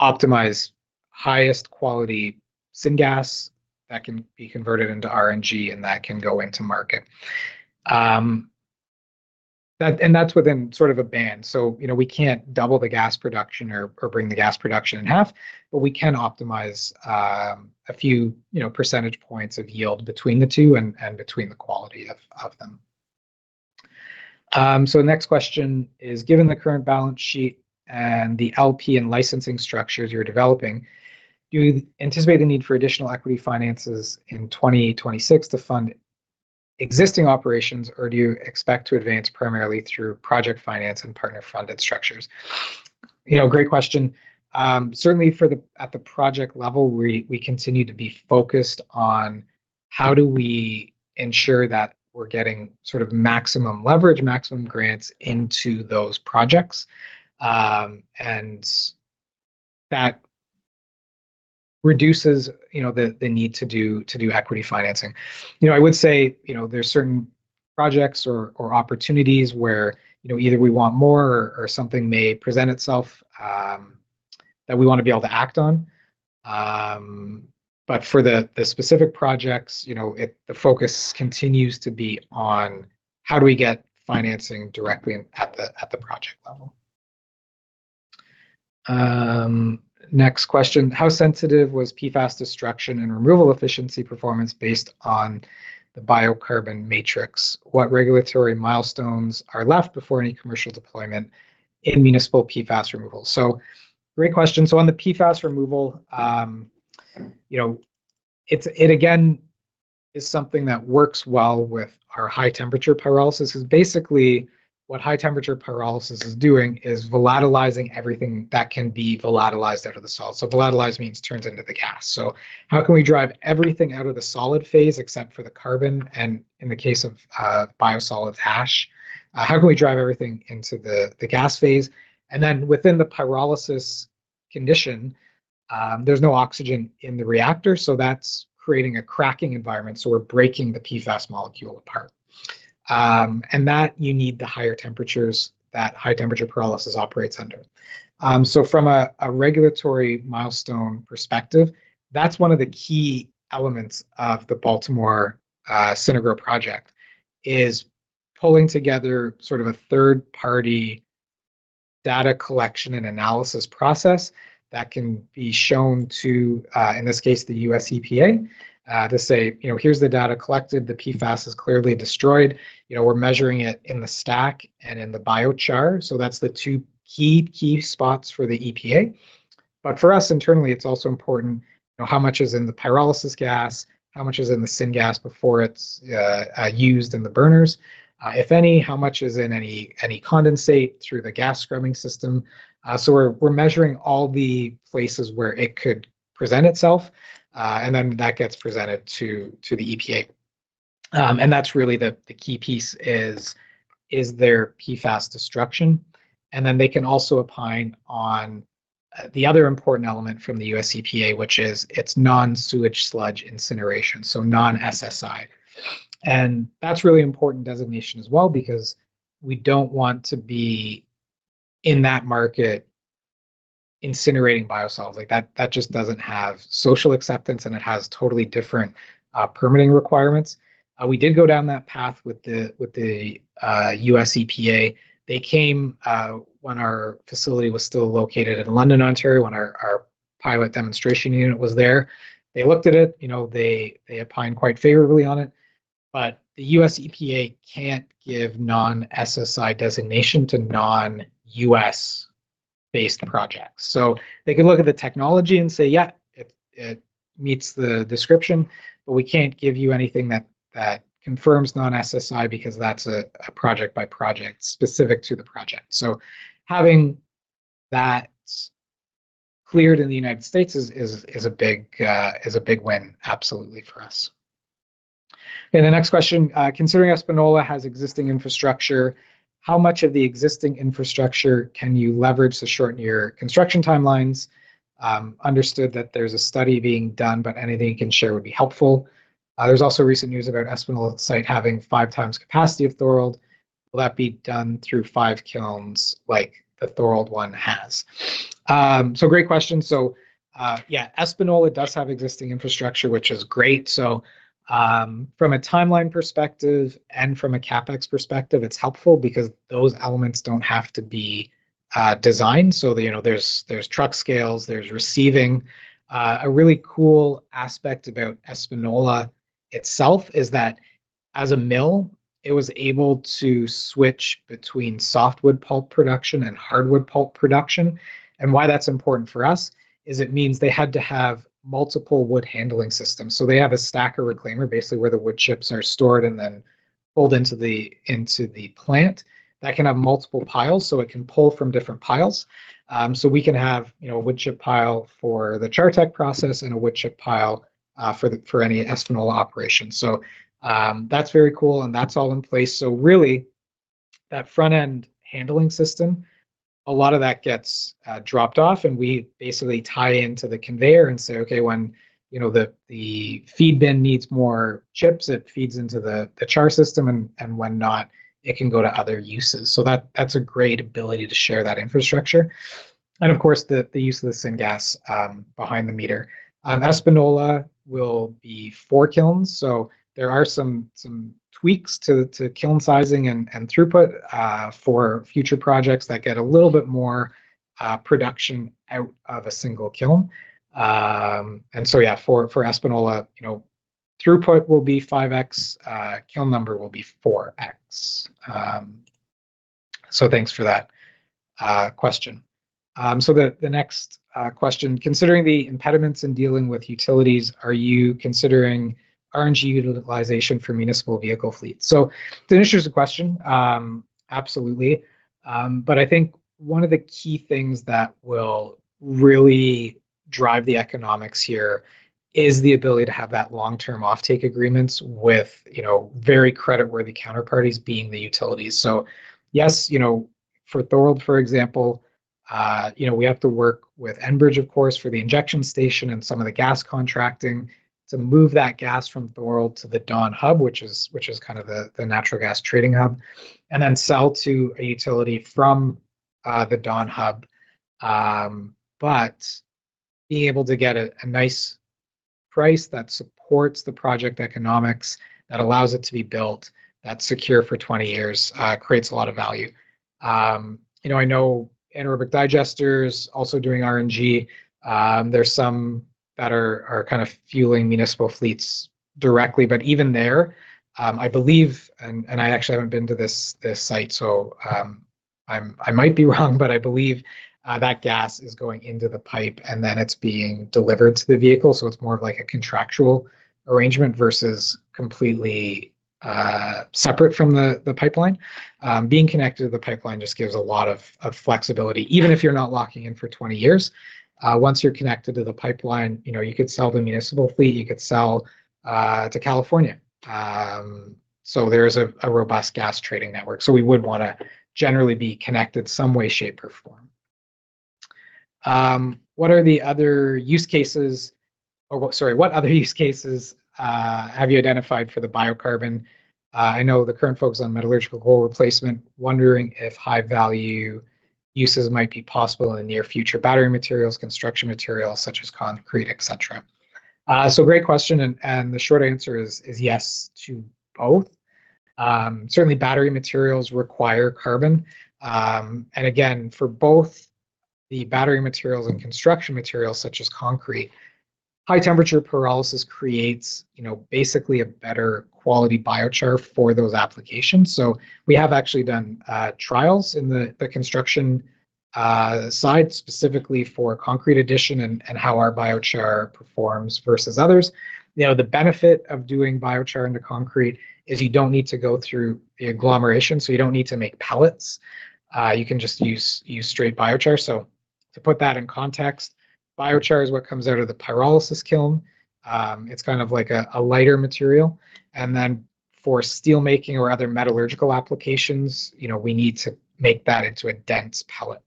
optimize highest quality syngas that can be converted into RNG and that can go into market. And that's within sort of a band. So, you know, we can't double the gas production or bring the gas production in half, but we can optimize a few, you know, percentage points of yield between the two and between the quality of them. So next question is: "Given the current balance sheet and the LP and licensing structures you're developing, do you anticipate the need for additional equity finances in 2026 to fund existing operations, or do you expect to advance primarily through project finance and partner-funded structures?" You know, great question. Certainly, at the project level, we continue to be focused on how do we ensure that we're getting sort of maximum leverage, maximum grants into those projects, and that reduces, you know, the need to do equity financing. You know, I would say, you know, there's certain projects or, or opportunities where, you know, either we want more or, or something may present itself, that we want to be able to act on. But for the specific projects, you know, the focus continues to be on how do we get financing directly at the project level? Next question: How sensitive was PFAS destruction and removal efficiency performance based on the biocarbon matrix? What regulatory milestones are left before any commercial deployment in municipal PFAS removal? So great question. So on the PFAS removal, you know, it's again something that works well with our high-temperature pyrolysis. 'Cause basically, what high-temperature pyrolysis is doing is volatilizing everything that can be volatilized out of the salt. So volatilize means turns into the gas. So how can we drive everything out of the solid phase except for the carbon, and in the case of biosolids ash, how can we drive everything into the gas phase? And then within the pyrolysis condition, there's no oxygen in the reactor, so that's creating a cracking environment, so we're breaking the PFAS molecule apart. And that you need the higher temperatures that high-temperature pyrolysis operates under. So from a regulatory milestone perspective, that's one of the key elements of the Baltimore Synagro project, is pulling together sort of a third-party data collection and analysis process that can be shown to, in this case, the U.S. EPA, to say, "You know, here's the data collected. The PFAS is clearly destroyed. You know, we're measuring it in the stack and in the biochar." So that's the two key spots for the EPA. But for us internally, it's also important, you know, how much is in the pyrolysis gas? How much is in the syngas before it's used in the burners? If any, how much is in any condensate through the gas scrubbing system? So we're measuring all the places where it could present itself, and then that gets presented to the EPA. And that's really the key piece: is there PFAS destruction? And then they can also opine on the other important element from the U.S. EPA, which is it's Non-Sewage Sludge Incineration, so non-SSI. And that's a really important designation as well because we don't want to be in that market incinerating biosolids. Like, that just doesn't have social acceptance, and it has totally different permitting requirements. We did go down that path with the U.S. EPA. They came when our facility was still located in London, Ontario, when our pilot demonstration unit was there. They looked at it, you know, they opined quite favorably on it, but the U.S. EPA can't give non-SSI designation to non-US-based projects. So they can look at the technology and say, "Yeah, it meets the description, but we can't give you anything that confirms non-SSI because that's a project-by-project specific to the project." So having that cleared in the United States is a big win absolutely for us. And the next question: "Considering Espanola has existing infrastructure, how much of the existing infrastructure can you leverage to shorten your construction timelines? Understood that there's a study being done, but anything you can share would be helpful. There's also recent news about Espanola site having five times capacity of Thorold. Will that be done through five kilns like the Thorold one has?" So great question. So, yeah, Espanola does have existing infrastructure, which is great. So, from a timeline perspective and from a CapEx perspective, it's helpful because those elements don't have to be, designed. So, you know, there's, there's truck scales, there's receiving. A really cool aspect about Espanola itself is that as a mill, it was able to switch between softwood pulp production and hardwood pulp production. And why that's important for us is it means they had to have multiple wood handling systems. So they have a stacker reclaimer, basically, where the wood chips are stored and then pulled into the plant. That can have multiple piles, so it can pull from different piles. So we can have, you know, a wood chip pile for the Char Tech process and a wood chip pile for any Espanola operation. So, that's very cool, and that's all in place. So really, that front-end handling system, a lot of that gets dropped off, and we basically tie into the conveyor and say, "Okay, when you know the feed bin needs more chips, it feeds into the char system, and when not, it can go to other uses." So that's a great ability to share that infrastructure and, of course, the use of the syngas behind the meter. Espanola will be four kilns, so there are some tweaks to kiln sizing and throughput for future projects that get a little bit more production out of a single kiln. And so, yeah, for Espanola, you know, throughput will be 5x, kiln number will be 4x. So thanks for that question. So the next question: "Considering the impediments in dealing with utilities, are you considering RNG utilization for municipal vehicle fleets?" So to answer the question, absolutely. But I think one of the key things that will really drive the economics here is the ability to have that long-term offtake agreements with, you know, very creditworthy counterparties being the utilities. So yes, you know, for Thorold, for example, you know, we have to work with Enbridge, of course, for the injection station and some of the gas contracting to move that gas from Thorold to the Dawn Hub, which is kind of the natural gas trading hub, and then sell to a utility from the Dawn Hub. But being able to get a nice-... Price that supports the project economics, that allows it to be built, that's secure for 20 years, creates a lot of value. You know, I know anaerobic digesters also doing RNG, there's some that are kind of fueling municipal fleets directly, but even there, I believe, and I actually haven't been to this site, so I might be wrong, but I believe that gas is going into the pipe, and then it's being delivered to the vehicle. So it's more of like a contractual arrangement versus completely separate from the pipeline. Being connected to the pipeline just gives a lot of flexibility, even if you're not locking in for 20 years. Once you're connected to the pipeline, you know, you could sell to municipal fleet, you could sell to California. So there's a robust gas trading network. So we would wanna generally be connected some way, shape, or form. What other use cases have you identified for the biocarbon? I know the current focus on metallurgical coal replacement, wondering if high-value uses might be possible in the near future: battery materials, construction materials such as concrete, et cetera. So great question, and the short answer is yes to both. Certainly, battery materials require carbon. And again, for both the battery materials and construction materials, such as concrete, high-temperature pyrolysis creates, you know, basically a better quality biochar for those applications. So we have actually done trials in the construction side, specifically for concrete addition and how our biochar performs versus others. You know, the benefit of doing biochar into concrete is you don't need to go through the agglomeration, so you don't need to make pellets. You can just use straight biochar. So to put that in context, biochar is what comes out of the pyrolysis kiln. It's kind of like a lighter material, and then for steelmaking or other metallurgical applications, you know, we need to make that into a dense pellet.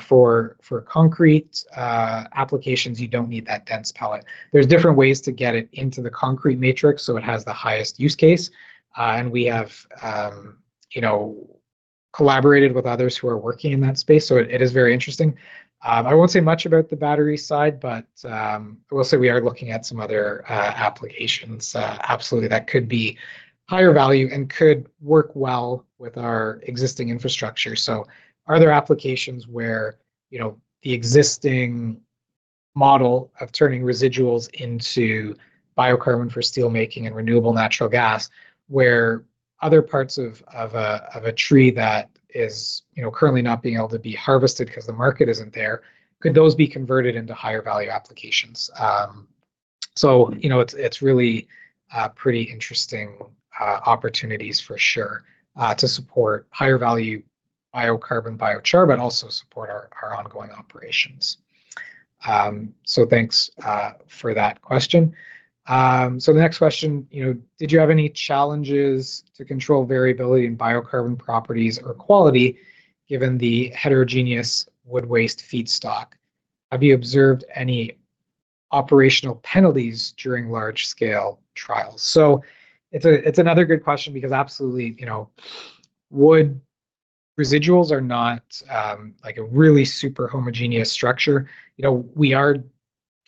For concrete applications, you don't need that dense pellet. There's different ways to get it into the concrete matrix, so it has the highest use case, and we have, you know, collaborated with others who are working in that space, so it is very interesting. I won't say much about the battery side, but, I will say we are looking at some other applications. Absolutely, that could be higher value and could work well with our existing infrastructure. So are there applications where, you know, the existing model of turning residuals into biocarbon for steelmaking and renewable natural gas, where other parts of a tree that is, you know, currently not being able to be harvested because the market isn't there, could those be converted into higher-value applications? So, you know, it's really pretty interesting opportunities for sure to support higher-value biocarbon, biochar, but also support our ongoing operations. So thanks for that question. So the next question, you know: Did you have any challenges to control variability in biocarbon properties or quality, given the heterogeneous wood waste feedstock? Have you observed any operational penalties during large-scale trials? So it's another good question because, absolutely, you know, wood residuals are not, like a really super homogeneous structure.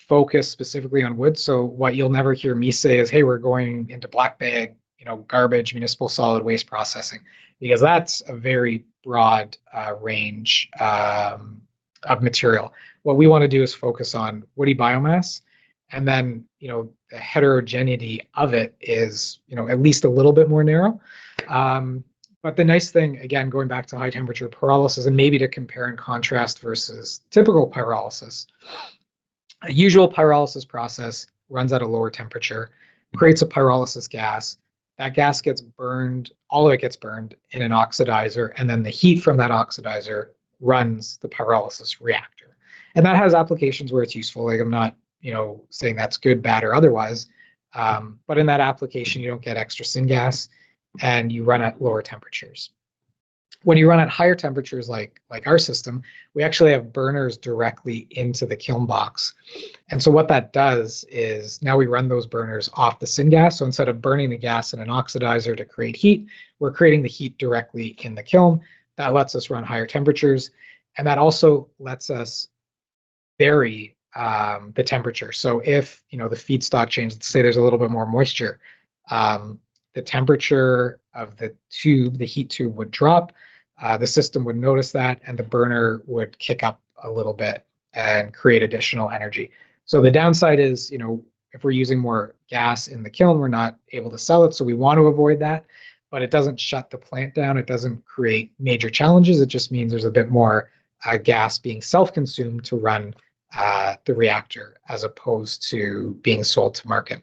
You know, we are focused specifically on wood, so what you'll never hear me say is, "Hey, we're going into black bag," you know, "garbage, municipal solid waste processing," because that's a very broad, range, of material. What we wanna do is focus on woody biomass, and then, you know, the heterogeneity of it is, you know, at least a little bit more narrow. But the nice thing, again, going back to high-temperature pyrolysis and maybe to compare and contrast versus typical pyrolysis. A usual pyrolysis process runs at a lower temperature, creates a pyrolysis gas, that gas gets burned, all of it gets burned in an oxidizer, and then the heat from that oxidizer runs the pyrolysis reactor. And that has applications where it's useful. Like, I'm not, you know, saying that's good, bad, or otherwise, but in that application, you don't get extra syngas, and you run at lower temperatures. When you run at higher temperatures, like our system, we actually have burners directly into the kiln box, and so what that does is now we run those burners off the syngas. So instead of burning the gas in an oxidizer to create heat, we're creating the heat directly in the kiln. That lets us run higher temperatures, and that also lets us vary the temperature. So if, you know, the feedstock changes, let's say there's a little bit more moisture, the temperature of the tube, the heat tube, would drop, the system would notice that, and the burner would kick up a little bit and create additional energy. So the downside is, you know, if we're using more gas in the kiln, we're not able to sell it, so we want to avoid that, but it doesn't shut the plant down. It doesn't create major challenges. It just means there's a bit more gas being self-consumed to run the reactor, as opposed to being sold to market.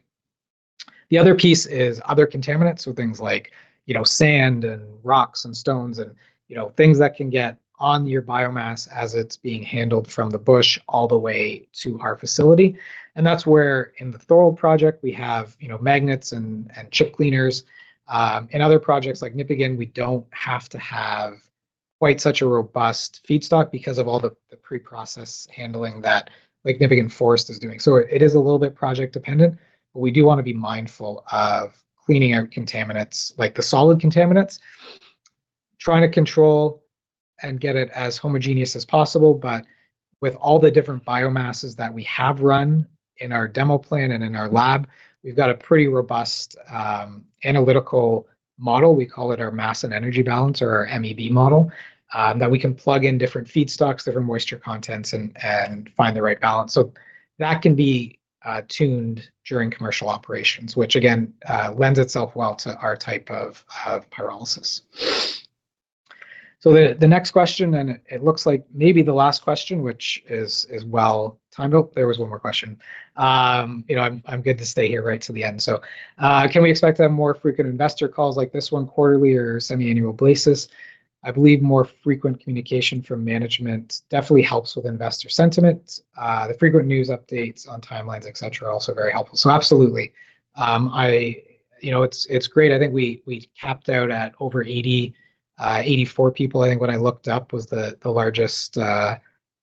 The other piece is other contaminants, so things like, you know, sand and rocks and stones and, you know, things that can get on your biomass as it's being handled from the bush all the way to our facility, and that's where, in the Thorold project, we have, you know, magnets and chip cleaners. In other projects, like Nipigon, we don't have to have quite such a robust feedstock because of all the pre-process handling that, like Nipigon Forest is doing. So it is a little bit project-dependent, but we do wanna be mindful of cleaning out contaminants, like the solid contaminants, trying to control and get it as homogeneous as possible. But with all the different biomasses that we have run in our demo plant and in our lab, we've got a pretty robust analytical model. We call it our mass and energy balance, or our MEB model, that we can plug in different feedstocks, different moisture contents, and find the right balance. So that can be tuned during commercial operations, which again lends itself well to our type of pyrolysis. So the next question, and it looks like maybe the last question, which is well-timed. Oh, there was one more question. You know, I'm good to stay here right to the end. Can we expect to have more frequent investor calls like this one, quarterly or semi-annual basis? I believe more frequent communication from management definitely helps with investor sentiment. The frequent news updates on timelines, et cetera, are also very helpful." So absolutely. You know, it's great. I think we capped out at over 80, 84 people, I think, when I looked up, was the largest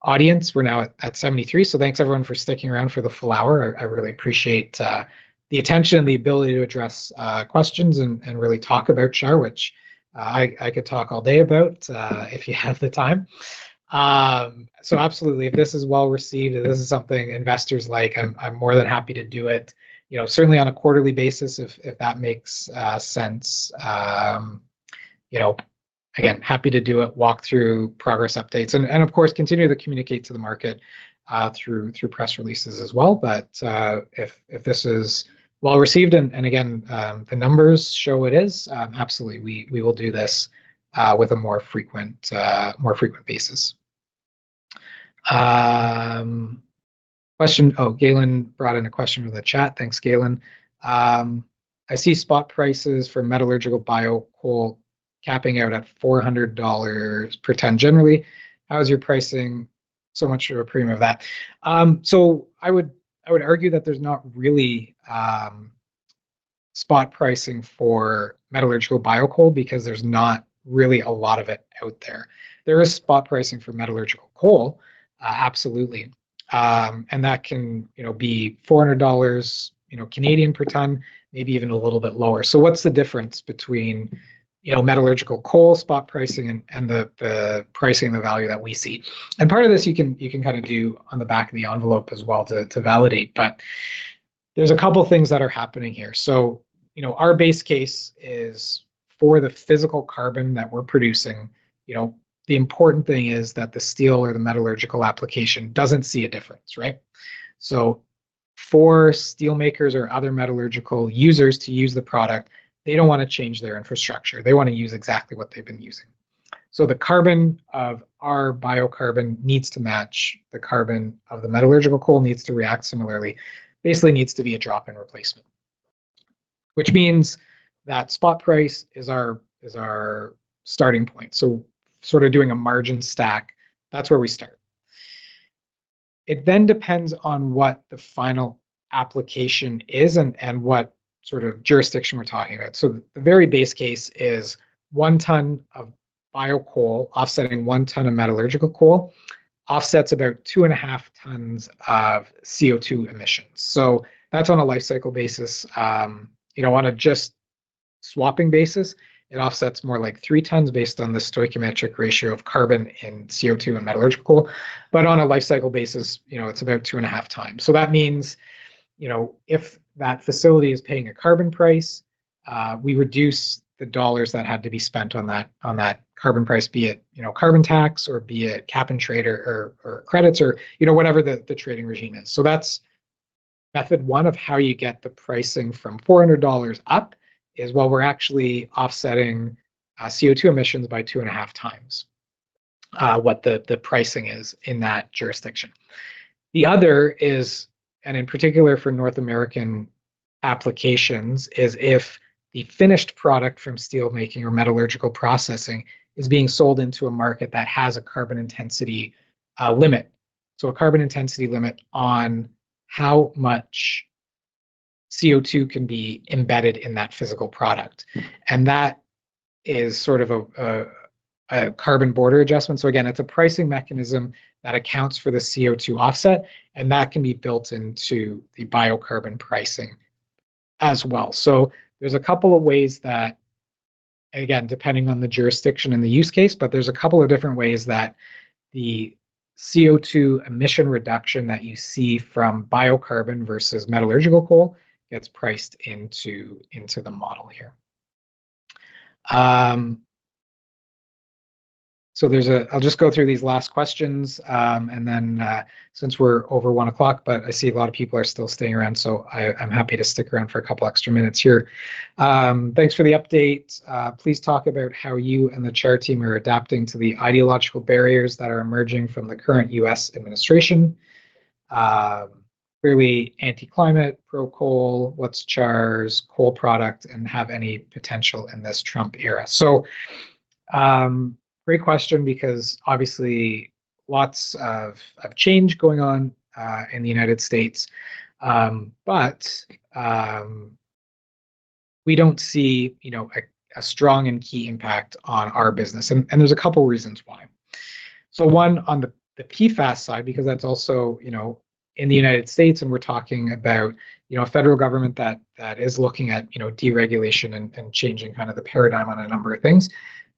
audience. We're now at 73. So thanks, everyone, for sticking around for the full hour. I really appreciate the attention and the ability to address questions and really talk about CHAR, which I could talk all day about, if you have the time. So absolutely, if this is well-received, if this is something investors like, I'm more than happy to do it, you know, certainly on a quarterly basis, if that makes sense. You know, again, happy to do a walk-through progress updates and, of course, continue to communicate to the market through press releases as well. But if this is well-received, and again, the numbers show it is, absolutely, we will do this with a more frequent basis. Question. Oh, Galen brought in a question with the chat. Thanks, Galen. "I see spot prices for metallurgical bio-coal capping out at $400 per ton generally. How is your pricing so much of a premium of that?" So I would, I would argue that there's not really spot pricing for metallurgical bio-coal because there's not really a lot of it out there. There is spot pricing for metallurgical coal, absolutely. And that can, you know, be 400 dollars per ton, maybe even a little bit lower. So what's the difference between, you know, metallurgical coal spot pricing and the pricing, the value that we see? And part of this, you can, you can kind of do on the back of the envelope as well to validate. But there's a couple of things that are happening here. So, you know, our base case is for the physical carbon that we're producing, you know, the important thing is that the steel or the metallurgical application doesn't see a difference, right? So for steelmakers or other metallurgical users to use the product, they don't wanna change their infrastructure. They wanna use exactly what they've been using. So the carbon of our biocarbon needs to match the carbon of the metallurgical coal, needs to react similarly, basically needs to be a drop-in replacement, which means that spot price is our, is our starting point. So sort of doing a margin stack, that's where we start. It then depends on what the final application is and, and what sort of jurisdiction we're talking about. So the very base case is 1 ton of bio-coal offsetting 1 ton of metallurgical coal offsets about 2.5 tons of CO2 emissions, so that's on a life cycle basis. You know, on a just swapping basis, it offsets more like 3 tons, based on the stoichiometric ratio of carbon and CO2 in metallurgical coal. But on a life cycle basis, you know, it's about 2.5 times. So that means, you know, if that facility is paying a carbon price, we reduce the dollars that have to be spent on that, on that carbon price, be it, you know, carbon tax, or be it cap and trade, or, or, or credits, or, you know, whatever the, the trading regime is. So that's method one of how you get the pricing from 400 dollars up, is while we're actually offsetting, CO2 emissions by 2.5 times, what the pricing is in that jurisdiction. The other is, and in particular for North American applications, is if the finished product from steelmaking or metallurgical processing is being sold into a market that has a carbon intensity limit. So a carbon intensity limit on how much CO2 can be embedded in that physical product, and that is sort of a Carbon Border Adjustment. So again, it's a pricing mechanism that accounts for the CO2 offset, and that can be built into the biocarbon pricing as well. So there's a couple of ways that, again, depending on the jurisdiction and the use case, but there's a couple of different ways that the CO2 emission reduction that you see from biocarbon versus metallurgical coal gets priced into the model here. So there's—I'll just go through these last questions, and then, since we're over 1:00, but I see a lot of people are still staying around, so I'm happy to stick around for a couple extra minutes here. "Thanks for the update. Please talk about how you and the CHAR team are adapting to the ideological barriers that are emerging from the current U.S. administration. Very anti-climate, pro-coal. What's CHAR's coal product, and have any potential in this Trump era?" So, great question, because obviously, lots of change going on in the United States. But we don't see, you know, a strong and key impact on our business, and there's a couple reasons why.... So one, on the PFAS side, because that's also, you know, in the United States, and we're talking about, you know, a federal government that is looking at, you know, deregulation and changing kind of the paradigm on a number of things.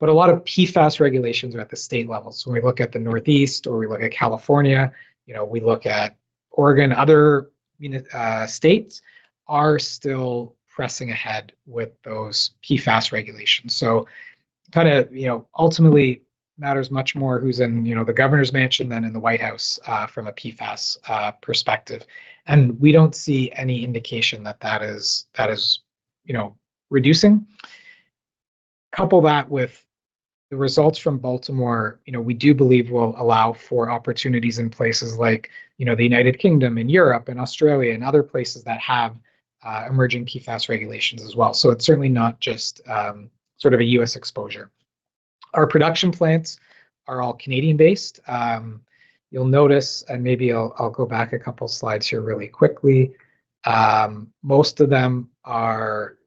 But a lot of PFAS regulations are at the state level. So when we look at the Northeast or we look at California, you know, we look at Oregon, other, you know, states are still pressing ahead with those PFAS regulations. So kinda, you know, ultimately matters much more who's in, you know, the governor's mansion than in the White House, from a PFAS perspective. And we don't see any indication that that is, you know, reducing. Couple that with the results from Baltimore, you know, we do believe will allow for opportunities in places like, you know, the United Kingdom and Europe and Australia and other places that have emerging PFAS regulations as well. So it's certainly not just sort of a U.S. exposure. Our production plants are all Canadian-based. You'll notice, and maybe I'll go back a couple slides here really quickly. Most of them are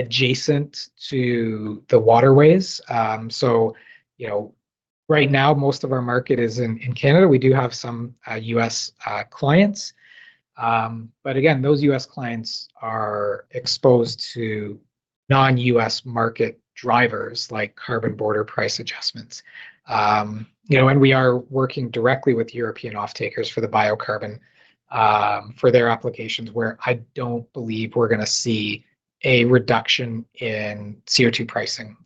adjacent to the waterways. So you know, right now, most of our market is in Canada. We do have some U.S. clients. But again, those U.S. clients are exposed to non-U.S. market drivers, like carbon border price adjustments. You know, and we are working directly with European offtakers for the biocarbon, for their applications, where I don't believe we're gonna see a reduction in CO2 pricing,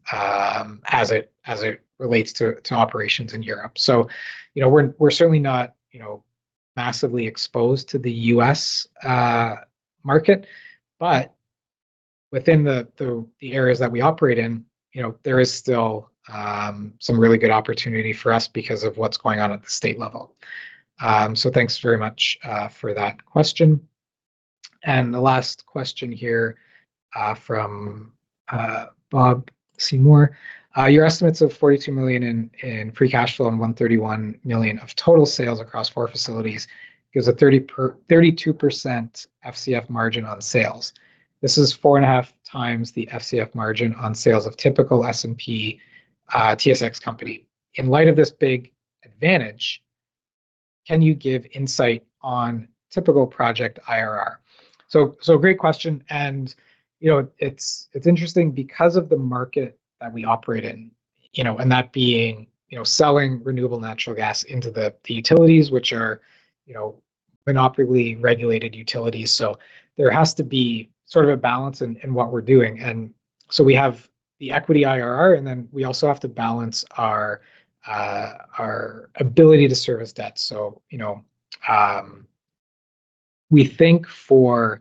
as it, as it relates to, to operations in Europe. So, you know, we're, we're certainly not, you know, massively exposed to the U.S., market, but within the, the, the areas that we operate in, you know, there is still, some really good opportunity for us because of what's going on at the state level. So thanks very much, for that question. And the last question here, from, Bob Seymour: "Your estimates of 42 million in free cash flow and 131 million of total sales across 4 facilities gives a 32% FCF margin on sales. This is 4.5 times the FCF margin on sales of typical S&P/TSX company. In light of this big advantage, can you give insight on typical project IRR? So, so great question, and, you know, it's, it's interesting because of the market that we operate in, you know, and that being, you know, selling renewable natural gas into the, the utilities, which are, you know, monopolistically regulated utilities. So there has to be sort of a balance in, in what we're doing. And so we have the equity IRR, and then we also have to balance our, our ability to service debt. So, you know, we think for,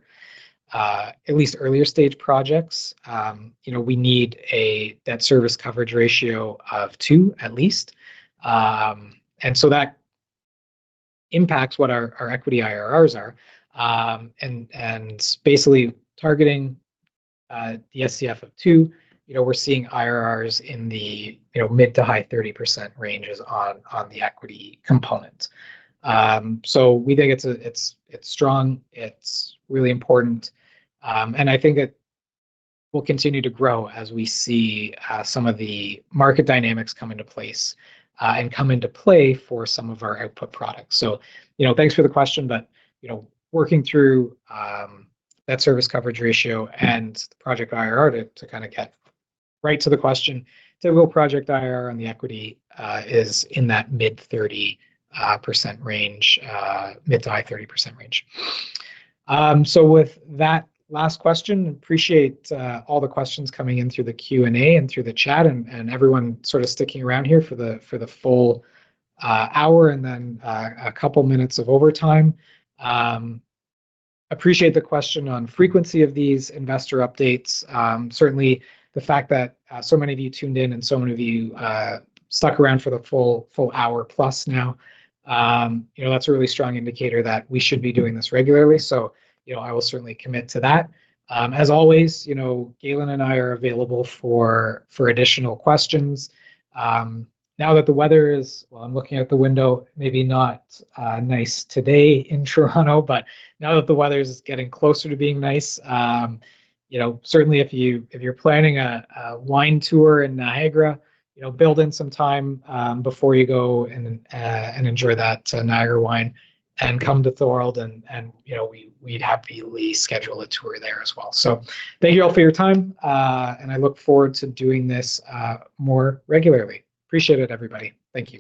at least earlier-stage projects, you know, we need a debt service coverage ratio of 2 at least. And so that impacts what our, our equity IRRs are. And basically targeting the DSCR of 2, you know, we're seeing IRRs in the, you know, mid- to high-30% ranges on the equity component. So we think it's, it's strong, it's really important, and I think it will continue to grow as we see some of the market dynamics come into place and come into play for some of our output products. So, you know, thanks for the question, but, you know, working through that service coverage ratio and the project IRR, to kinda get right to the question, typical project IRR on the equity is in that mid-30% range, mid- to high-30% range. So with that last question, appreciate all the questions coming in through the Q&A and through the chat, and everyone sorta sticking around here for the full hour and then a couple minutes of overtime. Appreciate the question on frequency of these investor updates. Certainly, the fact that so many of you tuned in and so many of you stuck around for the full hour plus now, you know, that's a really strong indicator that we should be doing this regularly. So, you know, I will certainly commit to that. As always, you know, Galen and I are available for additional questions. Now that the weather is... Well, I'm looking out the window, maybe not nice today in Toronto, but now that the weather is getting closer to being nice, you know, certainly if you, if you're planning a wine tour in Niagara, you know, build in some time before you go and enjoy that Niagara wine, and come to Thorold, and you know, we'd happily schedule a tour there as well. So thank you all for your time, and I look forward to doing this more regularly. Appreciate it, everybody. Thank you.